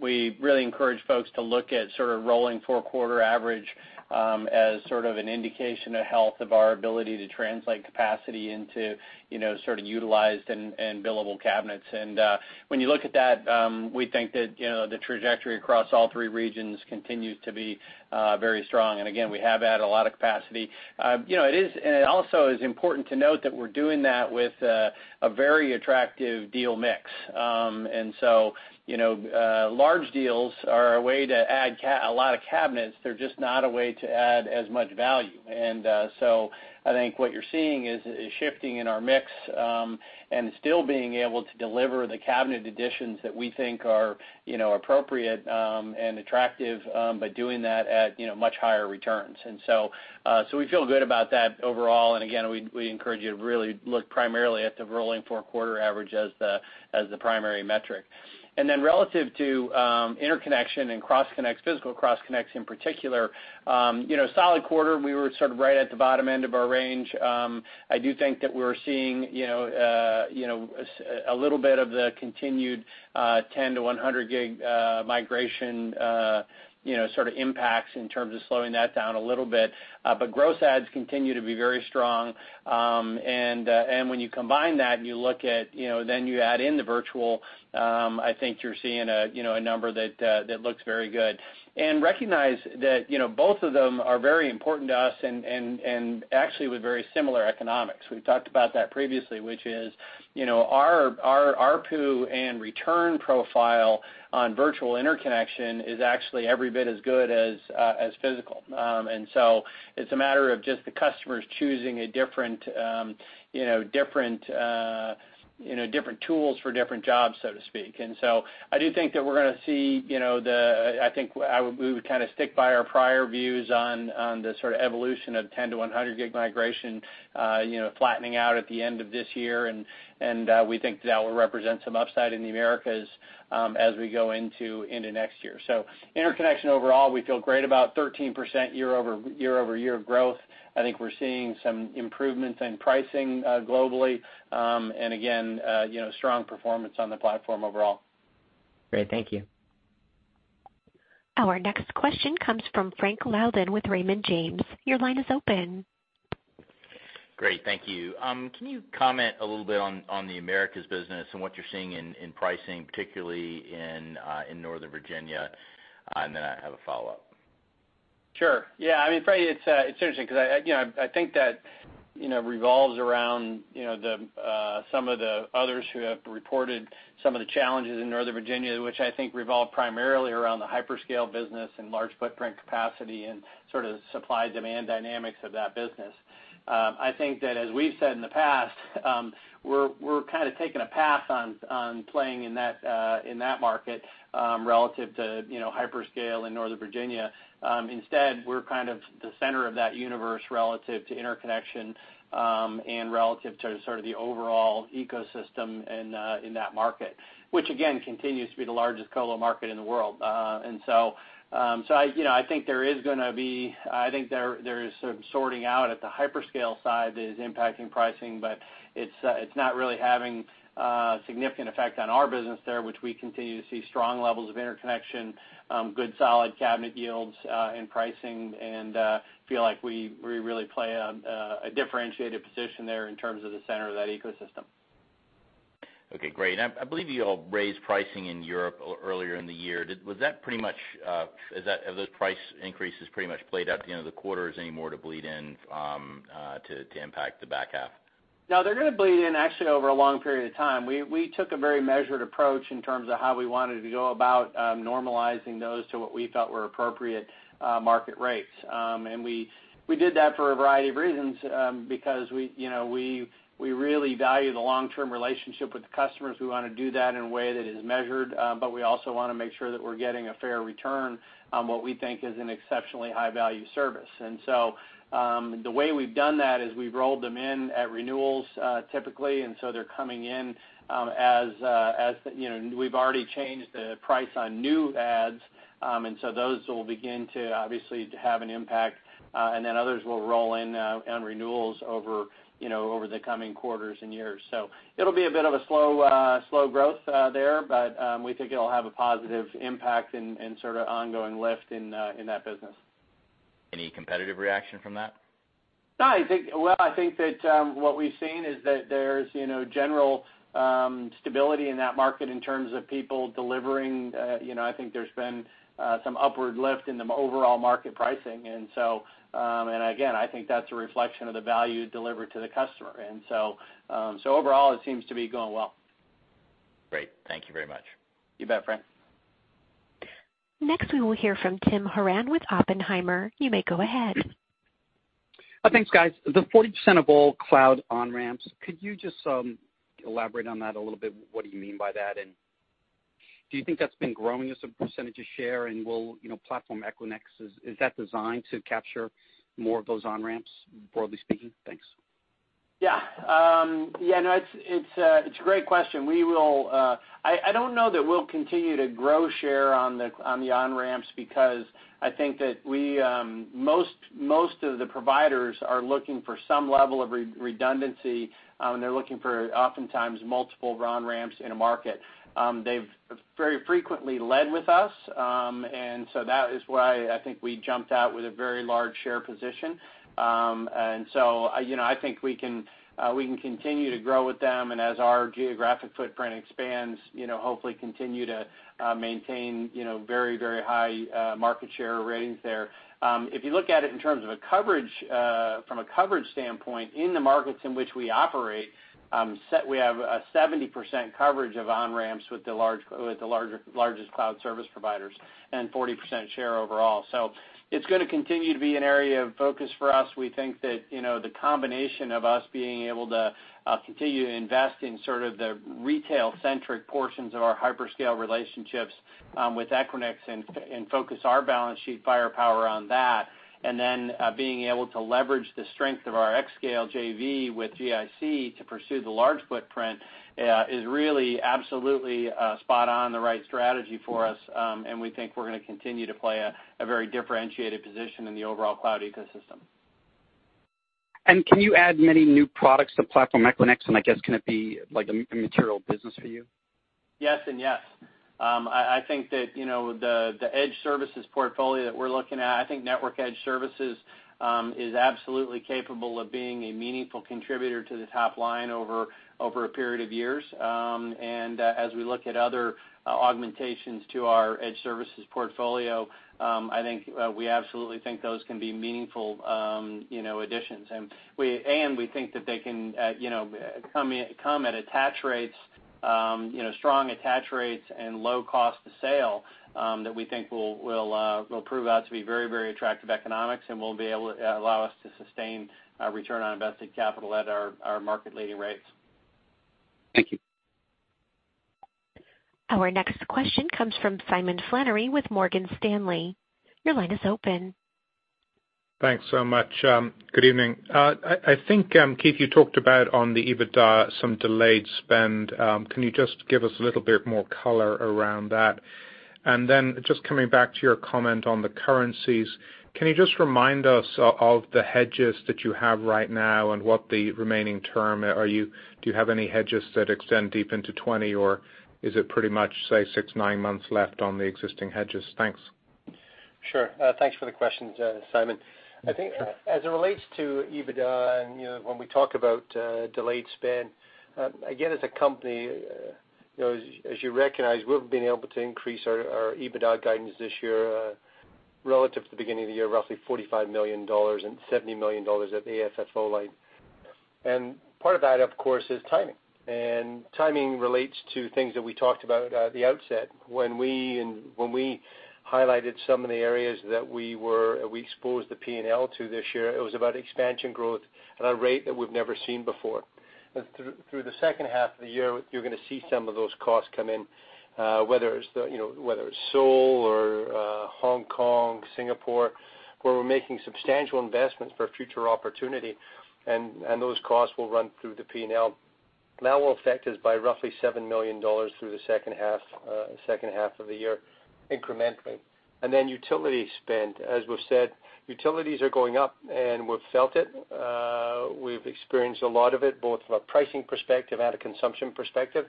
we really encourage folks to look at rolling four-quarter average as sort of an indication of health of our ability to translate capacity into utilized and billable cabinets. When you look at that, we think that the trajectory across all three regions continues to be very strong. Again, we have added a lot of capacity. It also is important to note that we're doing that with a very attractive deal mix. So large deals are a way to add a lot of cabinets. They're just not a way to add as much value. I think what you're seeing is shifting in our mix and still being able to deliver the cabinet additions that we think are appropriate and attractive by doing that at much higher returns. We feel good about that overall. Again, we encourage you to really look primarily at the rolling four-quarter average as the primary metric. Relative to interconnection and cross connects, physical cross connects in particular, solid quarter. We were sort of right at the bottom end of our range. I do think that we're seeing a little bit of the continued 10 to 100 gig migration impacts in terms of slowing that down a little bit. Gross adds continue to be very strong. When you combine that and then you add in the virtual, I think you're seeing a number that looks very good. Recognize that both of them are very important to us and actually with very similar economics. We've talked about that previously, which is our ARPU and return profile on virtual interconnection is actually every bit as good as physical. It's a matter of just the customers choosing different tools for different jobs, so to speak. I think we would stick by our prior views on the sort of evolution of 10 to 100 gig migration flattening out at the end of this year. We think that will represent some upside in the Americas as we go into next year. Interconnection overall, we feel great about 13% year-over-year growth. I think we're seeing some improvements in pricing globally. Again, strong performance on the platform overall. Great. Thank you. Our next question comes from Frank Louthan with Raymond James. Your line is open. Great. Thank you. Can you comment a little bit on the Americas business and what you're seeing in pricing, particularly in Northern Virginia? I have a follow-up. Sure. Yeah, Frank, it is interesting because I think that revolves around some of the others who have reported some of the challenges in Northern Virginia, which I think revolve primarily around the hyperscale business and large footprint capacity and supply-demand dynamics of that business. I think that as we have said in the past, we are taking a pass on playing in that market relative to hyperscale in Northern Virginia. Instead, we are the center of that universe relative to interconnection, and relative to the overall ecosystem in that market, which again, continues to be the largest colo market in the world. I think there is some sorting out at the hyperscale side that is impacting pricing, but it's not really having a significant effect on our business there, which we continue to see strong levels of interconnection, good solid cabinet yields and pricing, and feel like we really play a differentiated position there in terms of the center of that ecosystem. Okay, great. I believe you all raised pricing in Europe earlier in the year. Have those price increases pretty much played out at the end of the quarter? Is there any more to bleed in to impact the back half? No, they're going to bleed in actually over a long period of time. We took a very measured approach in terms of how we wanted to go about normalizing those to what we thought were appropriate market rates. We did that for a variety of reasons, because we really value the long-term relationship with the customers. We want to do that in a way that is measured, but we also want to make sure that we're getting a fair return on what we think is an exceptionally high-value service. The way we've done that is we've rolled them in at renewals, typically, and so they're coming in as we've already changed the price on new adds. Those will begin to obviously have an impact, and then others will roll in on renewals over the coming quarters and years. It'll be a bit of a slow growth there, but we think it'll have a positive impact and ongoing lift in that business. Any competitive reaction from that? No. Well, I think that what we've seen is that there's general stability in that market in terms of people delivering. I think there's been some upward lift in the overall market pricing. Again, I think that's a reflection of the value delivered to the customer. Overall, it seems to be going well. Great. Thank you very much. You bet, Frank. Next, we will hear from Tim Horan with Oppenheimer. You may go ahead. Thanks, guys. The 40% of all cloud on-ramps, could you just elaborate on that a little bit? What do you mean by that? Do you think that's been growing as a percentage of share and will Platform Equinix, is that designed to capture more of those on-ramps, broadly speaking? Thanks. It's a great question. I don't know that we'll continue to grow share on the on-ramps because I think that most of the providers are looking for some level of redundancy, and they're looking for oftentimes multiple on-ramps in a market. They've very frequently led with us, that is why I think we jumped out with a very large share position. I think we can continue to grow with them, and as our geographic footprint expands, hopefully continue to maintain very high market share ratings there. If you look at it in terms of a coverage from a coverage standpoint in the markets in which we operate, we have a 70% coverage of on-ramps with the largest cloud service providers and 40% share overall. It's going to continue to be an area of focus for us. We think that the combination of us being able to continue to invest in the retail-centric portions of our hyperscale relationships with Equinix and focus our balance sheet firepower on that, and then being able to leverage the strength of our xScale JV with GIC to pursue the large footprint, is really absolutely spot on the right strategy for us. We think we're going to continue to play a very differentiated position in the overall cloud ecosystem. Can you add many new products to Platform Equinix, and I guess can it be like a material business for you? Yes and yes. I think that the edge services portfolio that we're looking at, I think network edge services, is absolutely capable of being a meaningful contributor to the top line over a period of years. As we look at other augmentations to our edge services portfolio, I think we absolutely think those can be meaningful additions. We think that they can come at attach rates, strong attach rates and low cost to sale, that we think will prove out to be very attractive economics and will allow us to sustain our return on invested capital at our market-leading rates. Thank you. Our next question comes from Simon Flannery with Morgan Stanley. Your line is open. Thanks so much. Good evening. I think, Keith, you talked about on the EBITDA, some delayed spend. Can you just give us a little bit more color around that? Just coming back to your comment on the currencies, can you just remind us of the hedges that you have right now and what the remaining term? Do you have any hedges that extend deep into 2020, or is it pretty much, say, six, nine months left on the existing hedges? Thanks. Sure. Thanks for the questions, Simon. I think as it relates to EBITDA and when we talk about delayed spend, again, as a company As you recognize, we've been able to increase our adjusted EBITDA guidance this year relative to the beginning of the year, roughly $45 million and $70 million at the AFFO line. Part of that, of course, is timing. Timing relates to things that we talked about at the outset. When we highlighted some of the areas that we exposed the P&L to this year, it was about expansion growth at a rate that we've never seen before. Through the second half of the year, you're going to see some of those costs come in, whether it's Seoul or Hong Kong, Singapore, where we're making substantial investments for future opportunity, and those costs will run through the P&L. That will affect us by roughly $7 million through the second half of the year incrementally. Utility spend. As we've said, utilities are going up, and we've felt it. We've experienced a lot of it, both from a pricing perspective and a consumption perspective,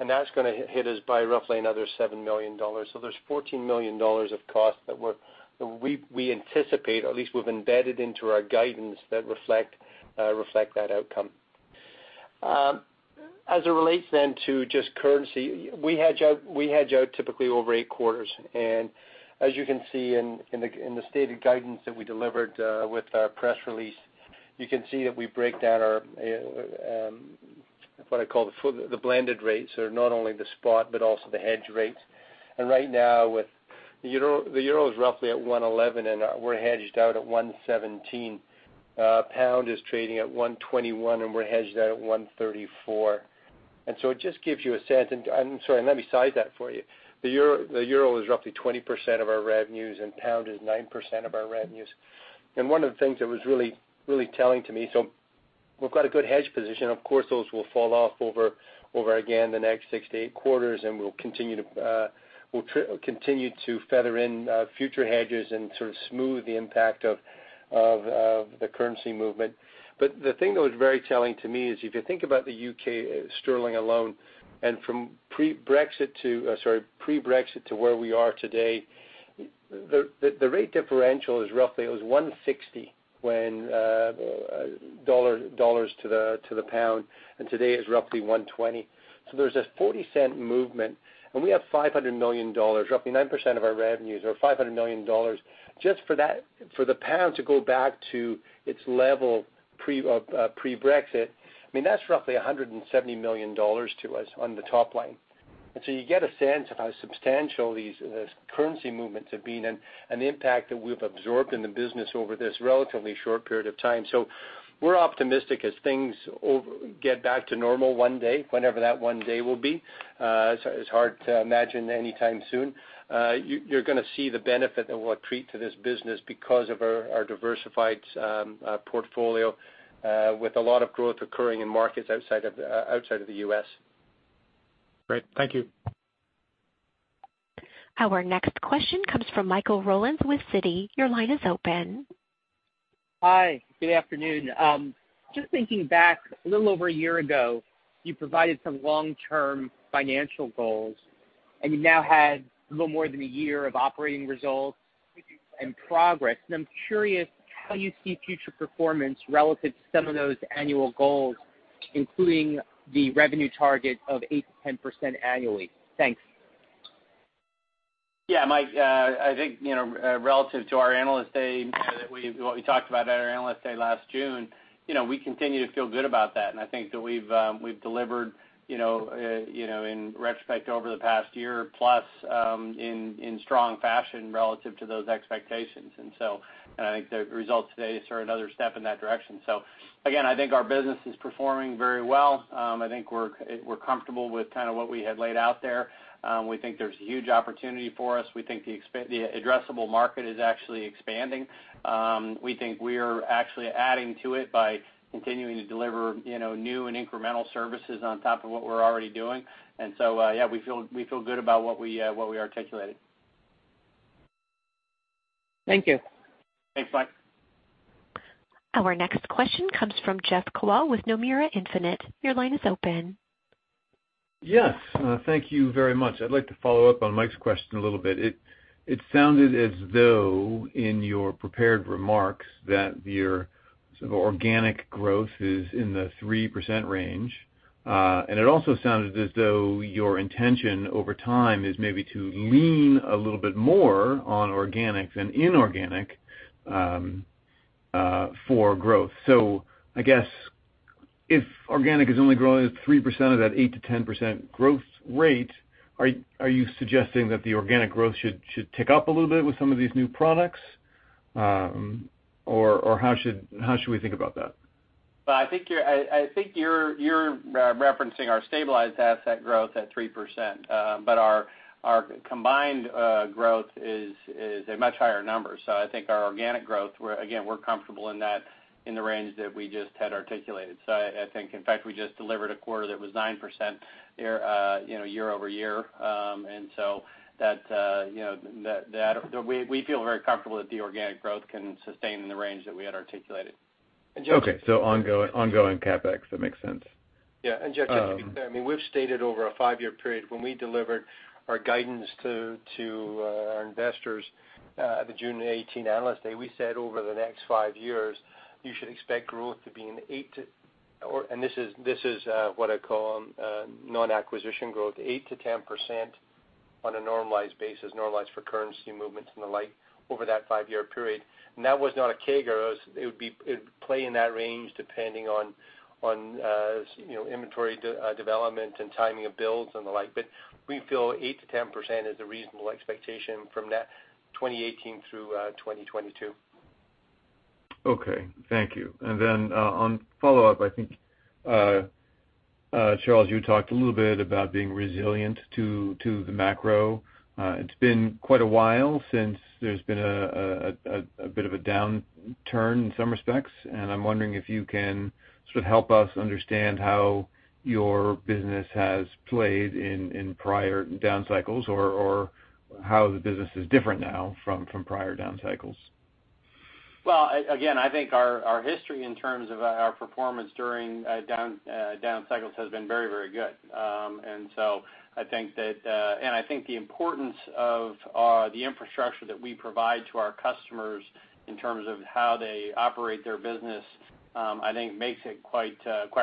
and that's going to hit us by roughly another $7 million. There's $14 million of costs that we anticipate, or at least we've embedded into our guidance that reflect that outcome. As it relates to just currency, we hedge out typically over eight quarters. As you can see in the stated guidance that we delivered with our press release, you can see that we break down our what I call the blended rates are not only the spot but also the hedge rates. Right now, the euro is roughly at 111, and we're hedged out at 117. Pound is trading at 121, and we're hedged out at 134. It just gives you a sense, and I'm sorry, let me size that for you. The euro is roughly 20% of our revenues, and pound is 9% of our revenues. One of the things that was really telling to me, so we've got a good hedge position. Of course, those will fall off over again the next 6-8 quarters, and we'll continue to feather in future hedges and sort of smooth the impact of the currency movement. The thing that was very telling to me is if you think about the U.K. sterling alone and from pre-Brexit to where we are today, the rate differential is roughly, it was $160 to the pound, and today it's roughly $120. There's a $0.40 movement, we have $500 million, roughly 9% of our revenues are $500 million just for the GBP to go back to its level pre-Brexit. That's roughly $170 million to us on the top line. You get a sense of how substantial these currency movements have been and the impact that we've absorbed in the business over this relatively short period of time. We're optimistic as things get back to normal one day, whenever that one day will be. It's hard to imagine anytime soon. You're going to see the benefit that will accrete to this business because of our diversified portfolio with a lot of growth occurring in markets outside of the U.S. Great. Thank you. Our next question comes from Michael Rollins with Citi. Your line is open. Hi. Good afternoon. Just thinking back a little over a year ago, you provided some long-term financial goals, and you now had a little more than a year of operating results and progress, and I'm curious how you see future performance relative to some of those annual goals, including the revenue target of 8%-10% annually. Thanks. Yeah, Mike, I think, relative to our Analyst Day that what we talked about at our Analyst Day last June, we continue to feel good about that. I think that we've delivered in retrospect over the past year plus in strong fashion relative to those expectations. I think the results today are another step in that direction. Again, I think our business is performing very well. I think we're comfortable with kind of what we had laid out there. We think there's huge opportunity for us. We think the addressable market is actually expanding. We think we're actually adding to it by continuing to deliver new and incremental services on top of what we're already doing. Yeah, we feel good about what we articulated. Thank you. Thanks, Mike. Our next question comes from Jeff Kvaal with Nomura Instinet. Your line is open. Yes. Thank you very much. I'd like to follow up on Mike's question a little bit. It sounded as though in your prepared remarks that your sort of organic growth is in the 3% range. It also sounded as though your intention over time is maybe to lean a little bit more on organic than inorganic for growth. I guess if organic is only growing at 3% of that 8%-10% growth rate, are you suggesting that the organic growth should tick up a little bit with some of these new products? How should we think about that? I think you're referencing our stabilized asset growth at 3%, but our combined growth is a much higher number. I think our organic growth, again, we're comfortable in the range that we just had articulated. I think, in fact, we just delivered a quarter that was 9% year-over-year. We feel very comfortable that the organic growth can sustain in the range that we had articulated. Okay. Ongoing CapEx, that makes sense. Yeah. Jeff, I mean, we've stated over a five-year period when we delivered our guidance to our investors at the June 2018 Analyst Day, we said over the next five years, you should expect growth to be in, and this is what I call non-acquisition growth, 8%-10%. On a normalized basis, normalized for currency movements and the like over that five-year period. That was not a CAGR. It would play in that range depending on inventory development and timing of builds and the like. We feel 8%-10% is a reasonable expectation from 2018 through 2022. Okay, thank you. On follow-up, I think, Charles, you talked a little bit about being resilient to the macro. It's been quite a while since there's been a bit of a downturn in some respects, I'm wondering if you can sort of help us understand how your business has played in prior down cycles or how the business is different now from prior down cycles. Well, again, I think our history in terms of our performance during down cycles has been very, very good. I think the importance of the infrastructure that we provide to our customers in terms of how they operate their business, I think makes it quite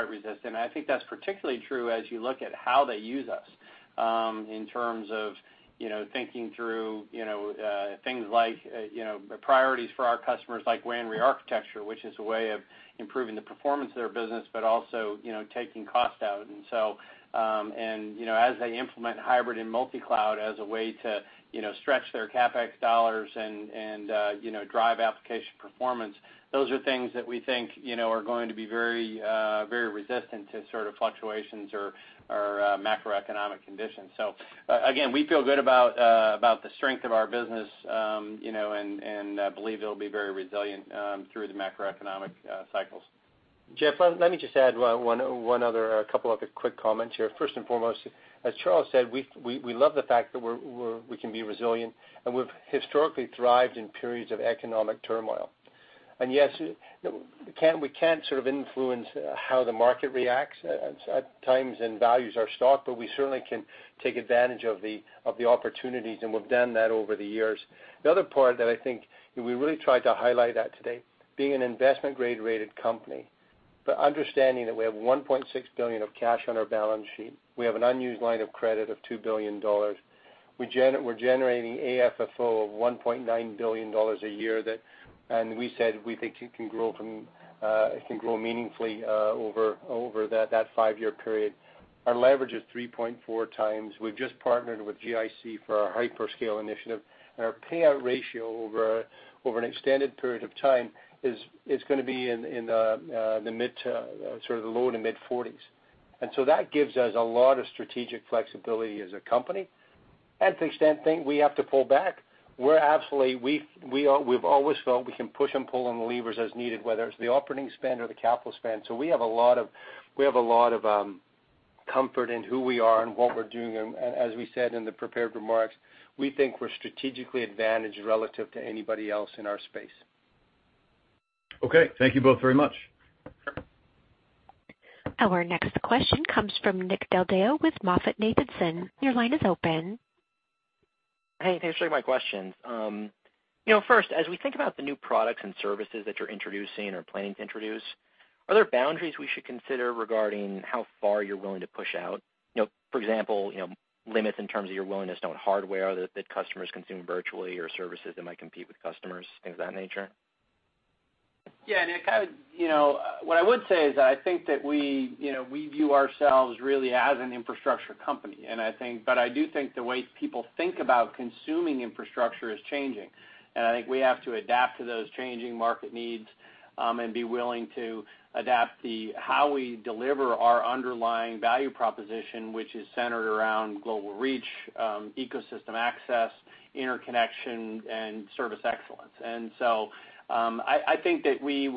resistant. I think that's particularly true as you look at how they use us, in terms of thinking through things like the priorities for our customers, like WAN re-architecture, which is a way of improving the performance of their business, but also taking cost out. As they implement hybrid and multi-cloud as a way to stretch their CapEx dollars and drive application performance, those are things that we think are going to be very resistant to sort of fluctuations or macroeconomic conditions. Again, we feel good about the strength of our business, and believe it'll be very resilient through the macroeconomic cycles. Jeff, let me just add a couple other quick comments here. First and foremost, as Charles said, we love the fact that we can be resilient, and we've historically thrived in periods of economic turmoil. Yes, we can't sort of influence how the market reacts at times and values our stock, but we certainly can take advantage of the opportunities, and we've done that over the years. The other part that I think that we really tried to highlight at today, being an investment-grade rated company, but understanding that we have $1.6 billion of cash on our balance sheet. We have an unused line of credit of $2 billion. We're generating AFFO of $1.9 billion a year, and we said we think it can grow meaningfully over that 5-year period. Our leverage is 3.4 times. We've just partnered with GIC for our hyperscale initiative, our payout ratio over an extended period of time is going to be in the low to mid 40s. That gives us a lot of strategic flexibility as a company. To the extent we have to pull back, we've always felt we can push and pull on the levers as needed, whether it's the operating spend or the capital spend. We have a lot of comfort in who we are and what we're doing. As we said in the prepared remarks, we think we're strategically advantaged relative to anybody else in our space. Okay. Thank you both very much. Our next question comes from Nick Del Deo with MoffettNathanson. Your line is open. Hey, thanks for taking my questions. First, as we think about the new products and services that you're introducing or planning to introduce, are there boundaries we should consider regarding how far you're willing to push out? For example, limits in terms of your willingness on hardware that customers consume virtually or services that might compete with customers, things of that nature? Yeah, Nick, what I would say is that I think that we view ourselves really as an infrastructure company. I do think the way people think about consuming infrastructure is changing, and I think we have to adapt to those changing market needs, and be willing to adapt how we deliver our underlying value proposition, which is centered around global reach, ecosystem access, interconnection, and service excellence. I think that we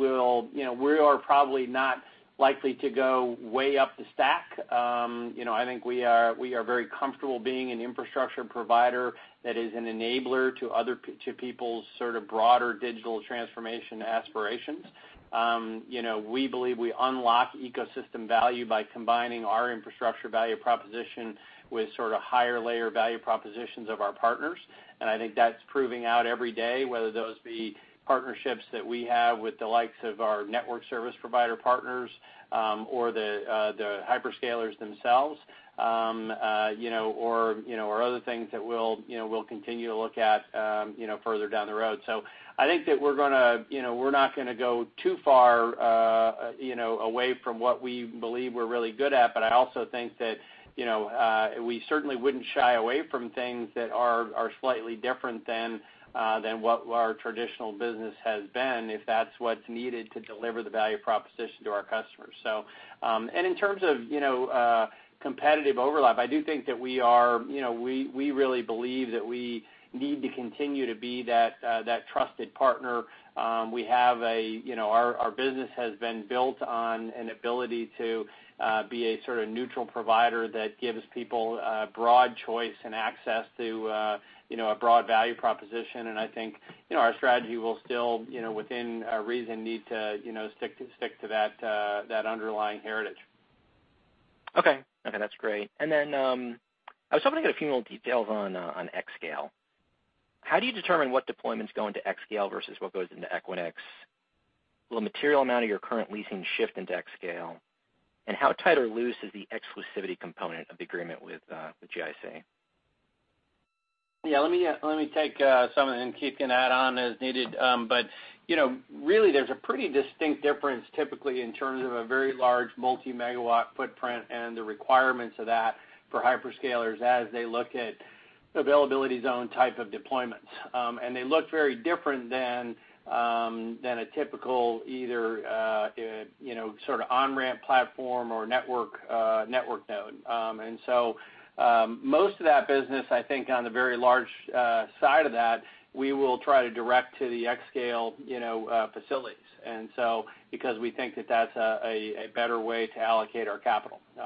are probably not likely to go way up the stack. I think we are very comfortable being an infrastructure provider that is an enabler to people's sort of broader digital transformation aspirations. We believe we unlock ecosystem value by combining our infrastructure value proposition with sort of higher layer value propositions of our partners. I think that's proving out every day, whether those be partnerships that we have with the likes of our network service provider partners, or the hyperscalers themselves, or other things that we'll continue to look at further down the road. I think that we're not going to go too far away from what we believe we're really good at. I also think that we certainly wouldn't shy away from things that are slightly different than what our traditional business has been, if that's what's needed to deliver the value proposition to our customers. In terms of competitive overlap, I do think that we really believe that we need to continue to be that trusted partner. Our business has been built on an ability to be a sort of neutral provider that gives people a broad choice and access to a broad value proposition. I think our strategy will still, within reason, need to stick to that underlying heritage. Okay. That's great. I was hoping to get a few more details on xScale. How do you determine what deployments go into xScale versus what goes into Equinix? Will a material amount of your current leasing shift into xScale? How tight or loose is the exclusivity component of the agreement with GIC? Yeah. Let me take some of it, and Keith can add on as needed. Really, there's a pretty distinct difference typically in terms of a very large multi-megawatt footprint and the requirements of that for hyperscalers as they look at availability zone type of deployments. They look very different than a typical either on-ramp platform or network node. Most of that business, I think on the very large side of that, we will try to direct to the xScale facilities. Because we think that that's a better way to allocate our capital. There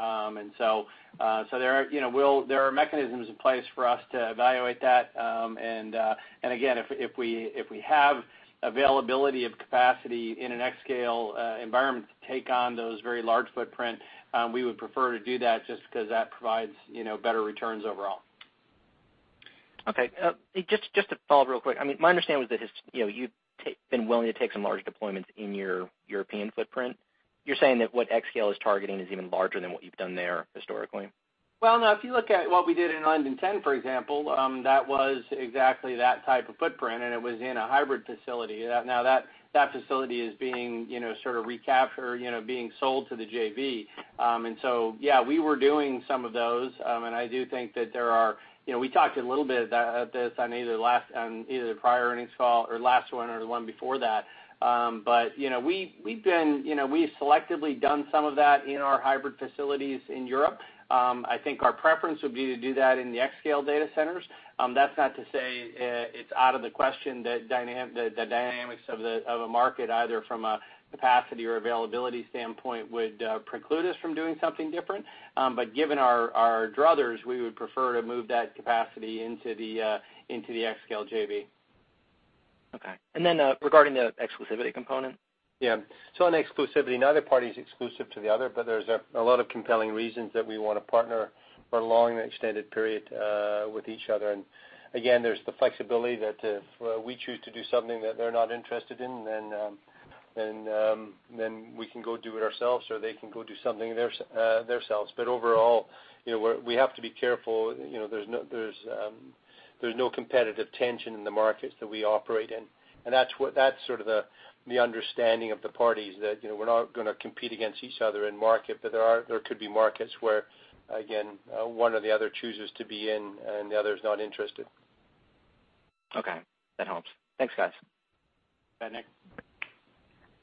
are mechanisms in place for us to evaluate that. Again, if we have availability of capacity in an xScale environment to take on those very large footprint, we would prefer to do that just because that provides better returns overall. Okay. Just to follow up real quick. My understanding was that you've been willing to take some large deployments in your European footprint. You're saying that what xScale is targeting is even larger than what you've done there historically? Well, no, if you look at what we did in London 10, for example, that was exactly that type of footprint, and it was in a hybrid facility. Now that facility is being sort of recaptured, being sold to the JV. Yeah, we were doing some of those, and I do think that we talked a little bit of this on either the prior earnings call or last one or the one before that. We've selectively done some of that in our hybrid facilities in Europe. I think our preference would be to do that in the xScale data centers. That's not to say it's out of the question that the dynamics of a market, either from a capacity or availability standpoint, would preclude us from doing something different. Given our druthers, we would prefer to move that capacity into the xScale JV. Okay. Regarding the exclusivity component? On exclusivity, neither party is exclusive to the other, there's a lot of compelling reasons that we want to partner for a long and extended period with each other. Again, there's the flexibility that if we choose to do something that they're not interested in, then we can go do it ourselves, or they can go do something themselves. Overall, we have to be careful. There's no competitive tension in the markets that we operate in. That's sort of the understanding of the parties that we're not going to compete against each other in market, there could be markets where, again, one or the other chooses to be in and the other's not interested. Okay. That helps. Thanks, guys. Go ahead, Nick.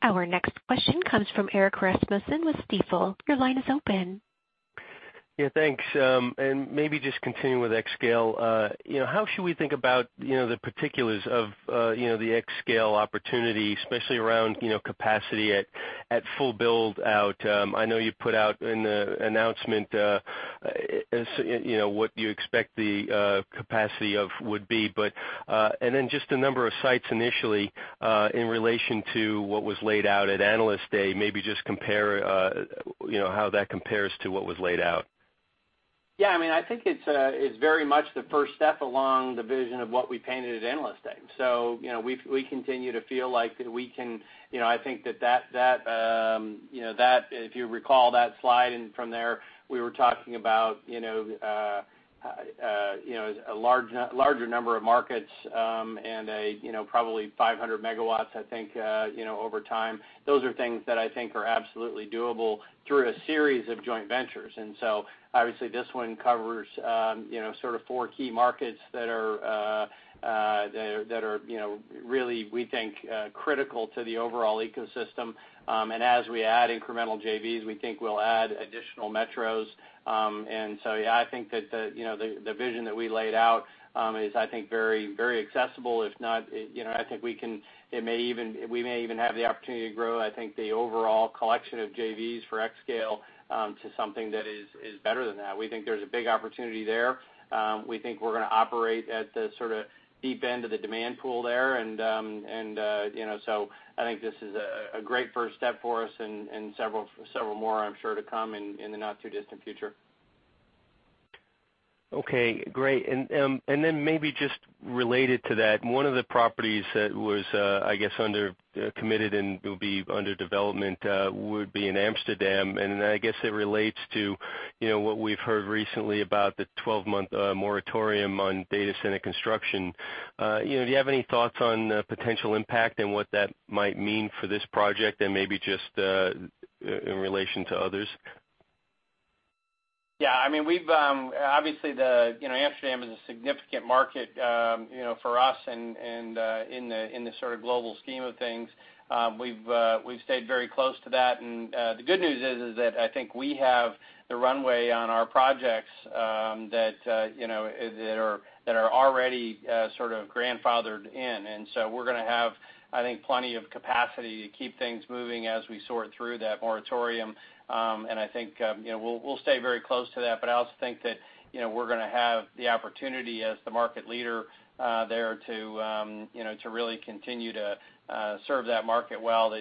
Our next question comes from Erik Rasmussen with Stifel. Your line is open. Yeah, thanks. Maybe just continuing with xScale. How should we think about the particulars of the xScale opportunity, especially around capacity at full build-out? I know you put out an announcement, what you expect the capacity of would be, and then just the number of sites initially, in relation to what was laid out at Analyst Day. Maybe just compare how that compares to what was laid out. I think it's very much the first step along the vision of what we painted at Analyst Day. We continue to feel like that I think that if you recall that slide and from there, we were talking about a larger number of markets, and probably 500 megawatts, I think, over time. Those are things that I think are absolutely doable through a series of joint ventures. Obviously this one covers sort of four key markets that are really, we think, critical to the overall ecosystem. As we add incremental JVs, we think we'll add additional metros. I think that the vision that we laid out is, I think, very accessible. I think we may even have the opportunity to grow, I think the overall collection of JVs for xScale, to something that is better than that. We think there's a big opportunity there. We think we're going to operate at the sort of deep end of the demand pool there. I think this is a great first step for us and several more, I'm sure, to come in the not too distant future. Okay, great. Maybe just related to that, one of the properties that was, I guess, under committed and will be under development would be in Amsterdam. I guess it relates to what we've heard recently about the 12-month moratorium on data center construction. Do you have any thoughts on the potential impact and what that might mean for this project and maybe just in relation to others? Yeah. Obviously Amsterdam is a significant market for us and in the sort of global scheme of things. We've stayed very close to that, the good news is that I think we have the runway on our projects that are already sort of grandfathered in. We're going to have, I think, plenty of capacity to keep things moving as we sort through that moratorium. I think we'll stay very close to that, I also think that we're going to have the opportunity as the market leader there to really continue to serve that market well.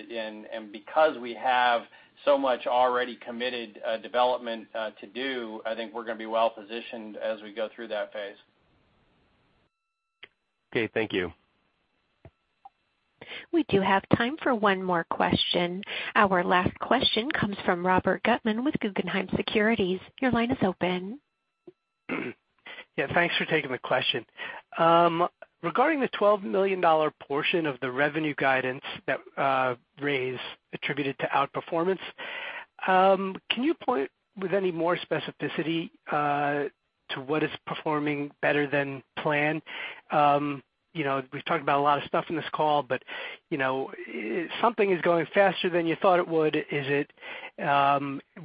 Much already committed development to do, I think we're going to be well-positioned as we go through that phase. Okay, thank you. We do have time for one more question. Our last question comes from Robert Gutman with Guggenheim Securities. Your line is open. Yeah, thanks for taking the question. Regarding the $12 million portion of the revenue guidance that raised attributed to outperformance, can you point with any more specificity to what is performing better than planned? We've talked about a lot of stuff in this call. Something is going faster than you thought it would.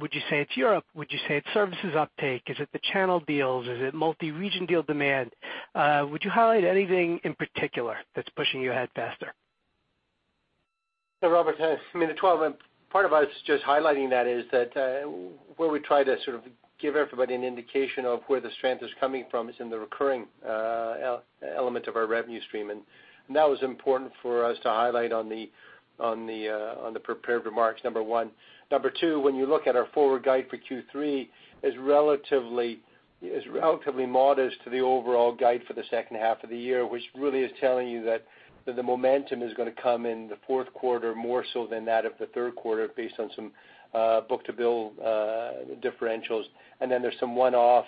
Would you say it's Europe? Would you say it's services uptake? Is it the channel deals? Is it multi-region deal demand? Would you highlight anything in particular that's pushing you ahead faster? Robert, part of us just highlighting that is that where we try to sort of give everybody an indication of where the strength is coming from is in the recurring element of our revenue stream. That was important for us to highlight on the prepared remarks, number one. Number two, when you look at our forward guide for Q3, is relatively modest to the overall guide for the second half of the year, which really is telling you that the momentum is going to come in the fourth quarter more so than that of the third quarter, based on some book-to-bill differentials. There's some one-off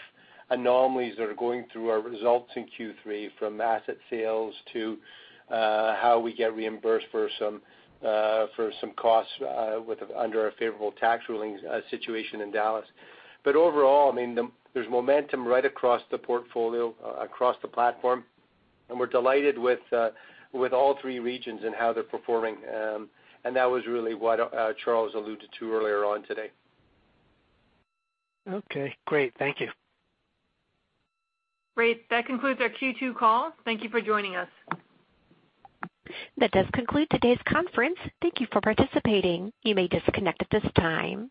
anomalies that are going through our results in Q3 from asset sales to how we get reimbursed for some costs under our favorable tax rulings situation in Dallas. Overall, there's momentum right across the portfolio, across the platform, and we're delighted with all three regions and how they're performing. That was really what Charles alluded to earlier on today. Okay, great. Thank you. Great. That concludes our Q2 call. Thank you for joining us. That does conclude today's conference. Thank you for participating. You may disconnect at this time.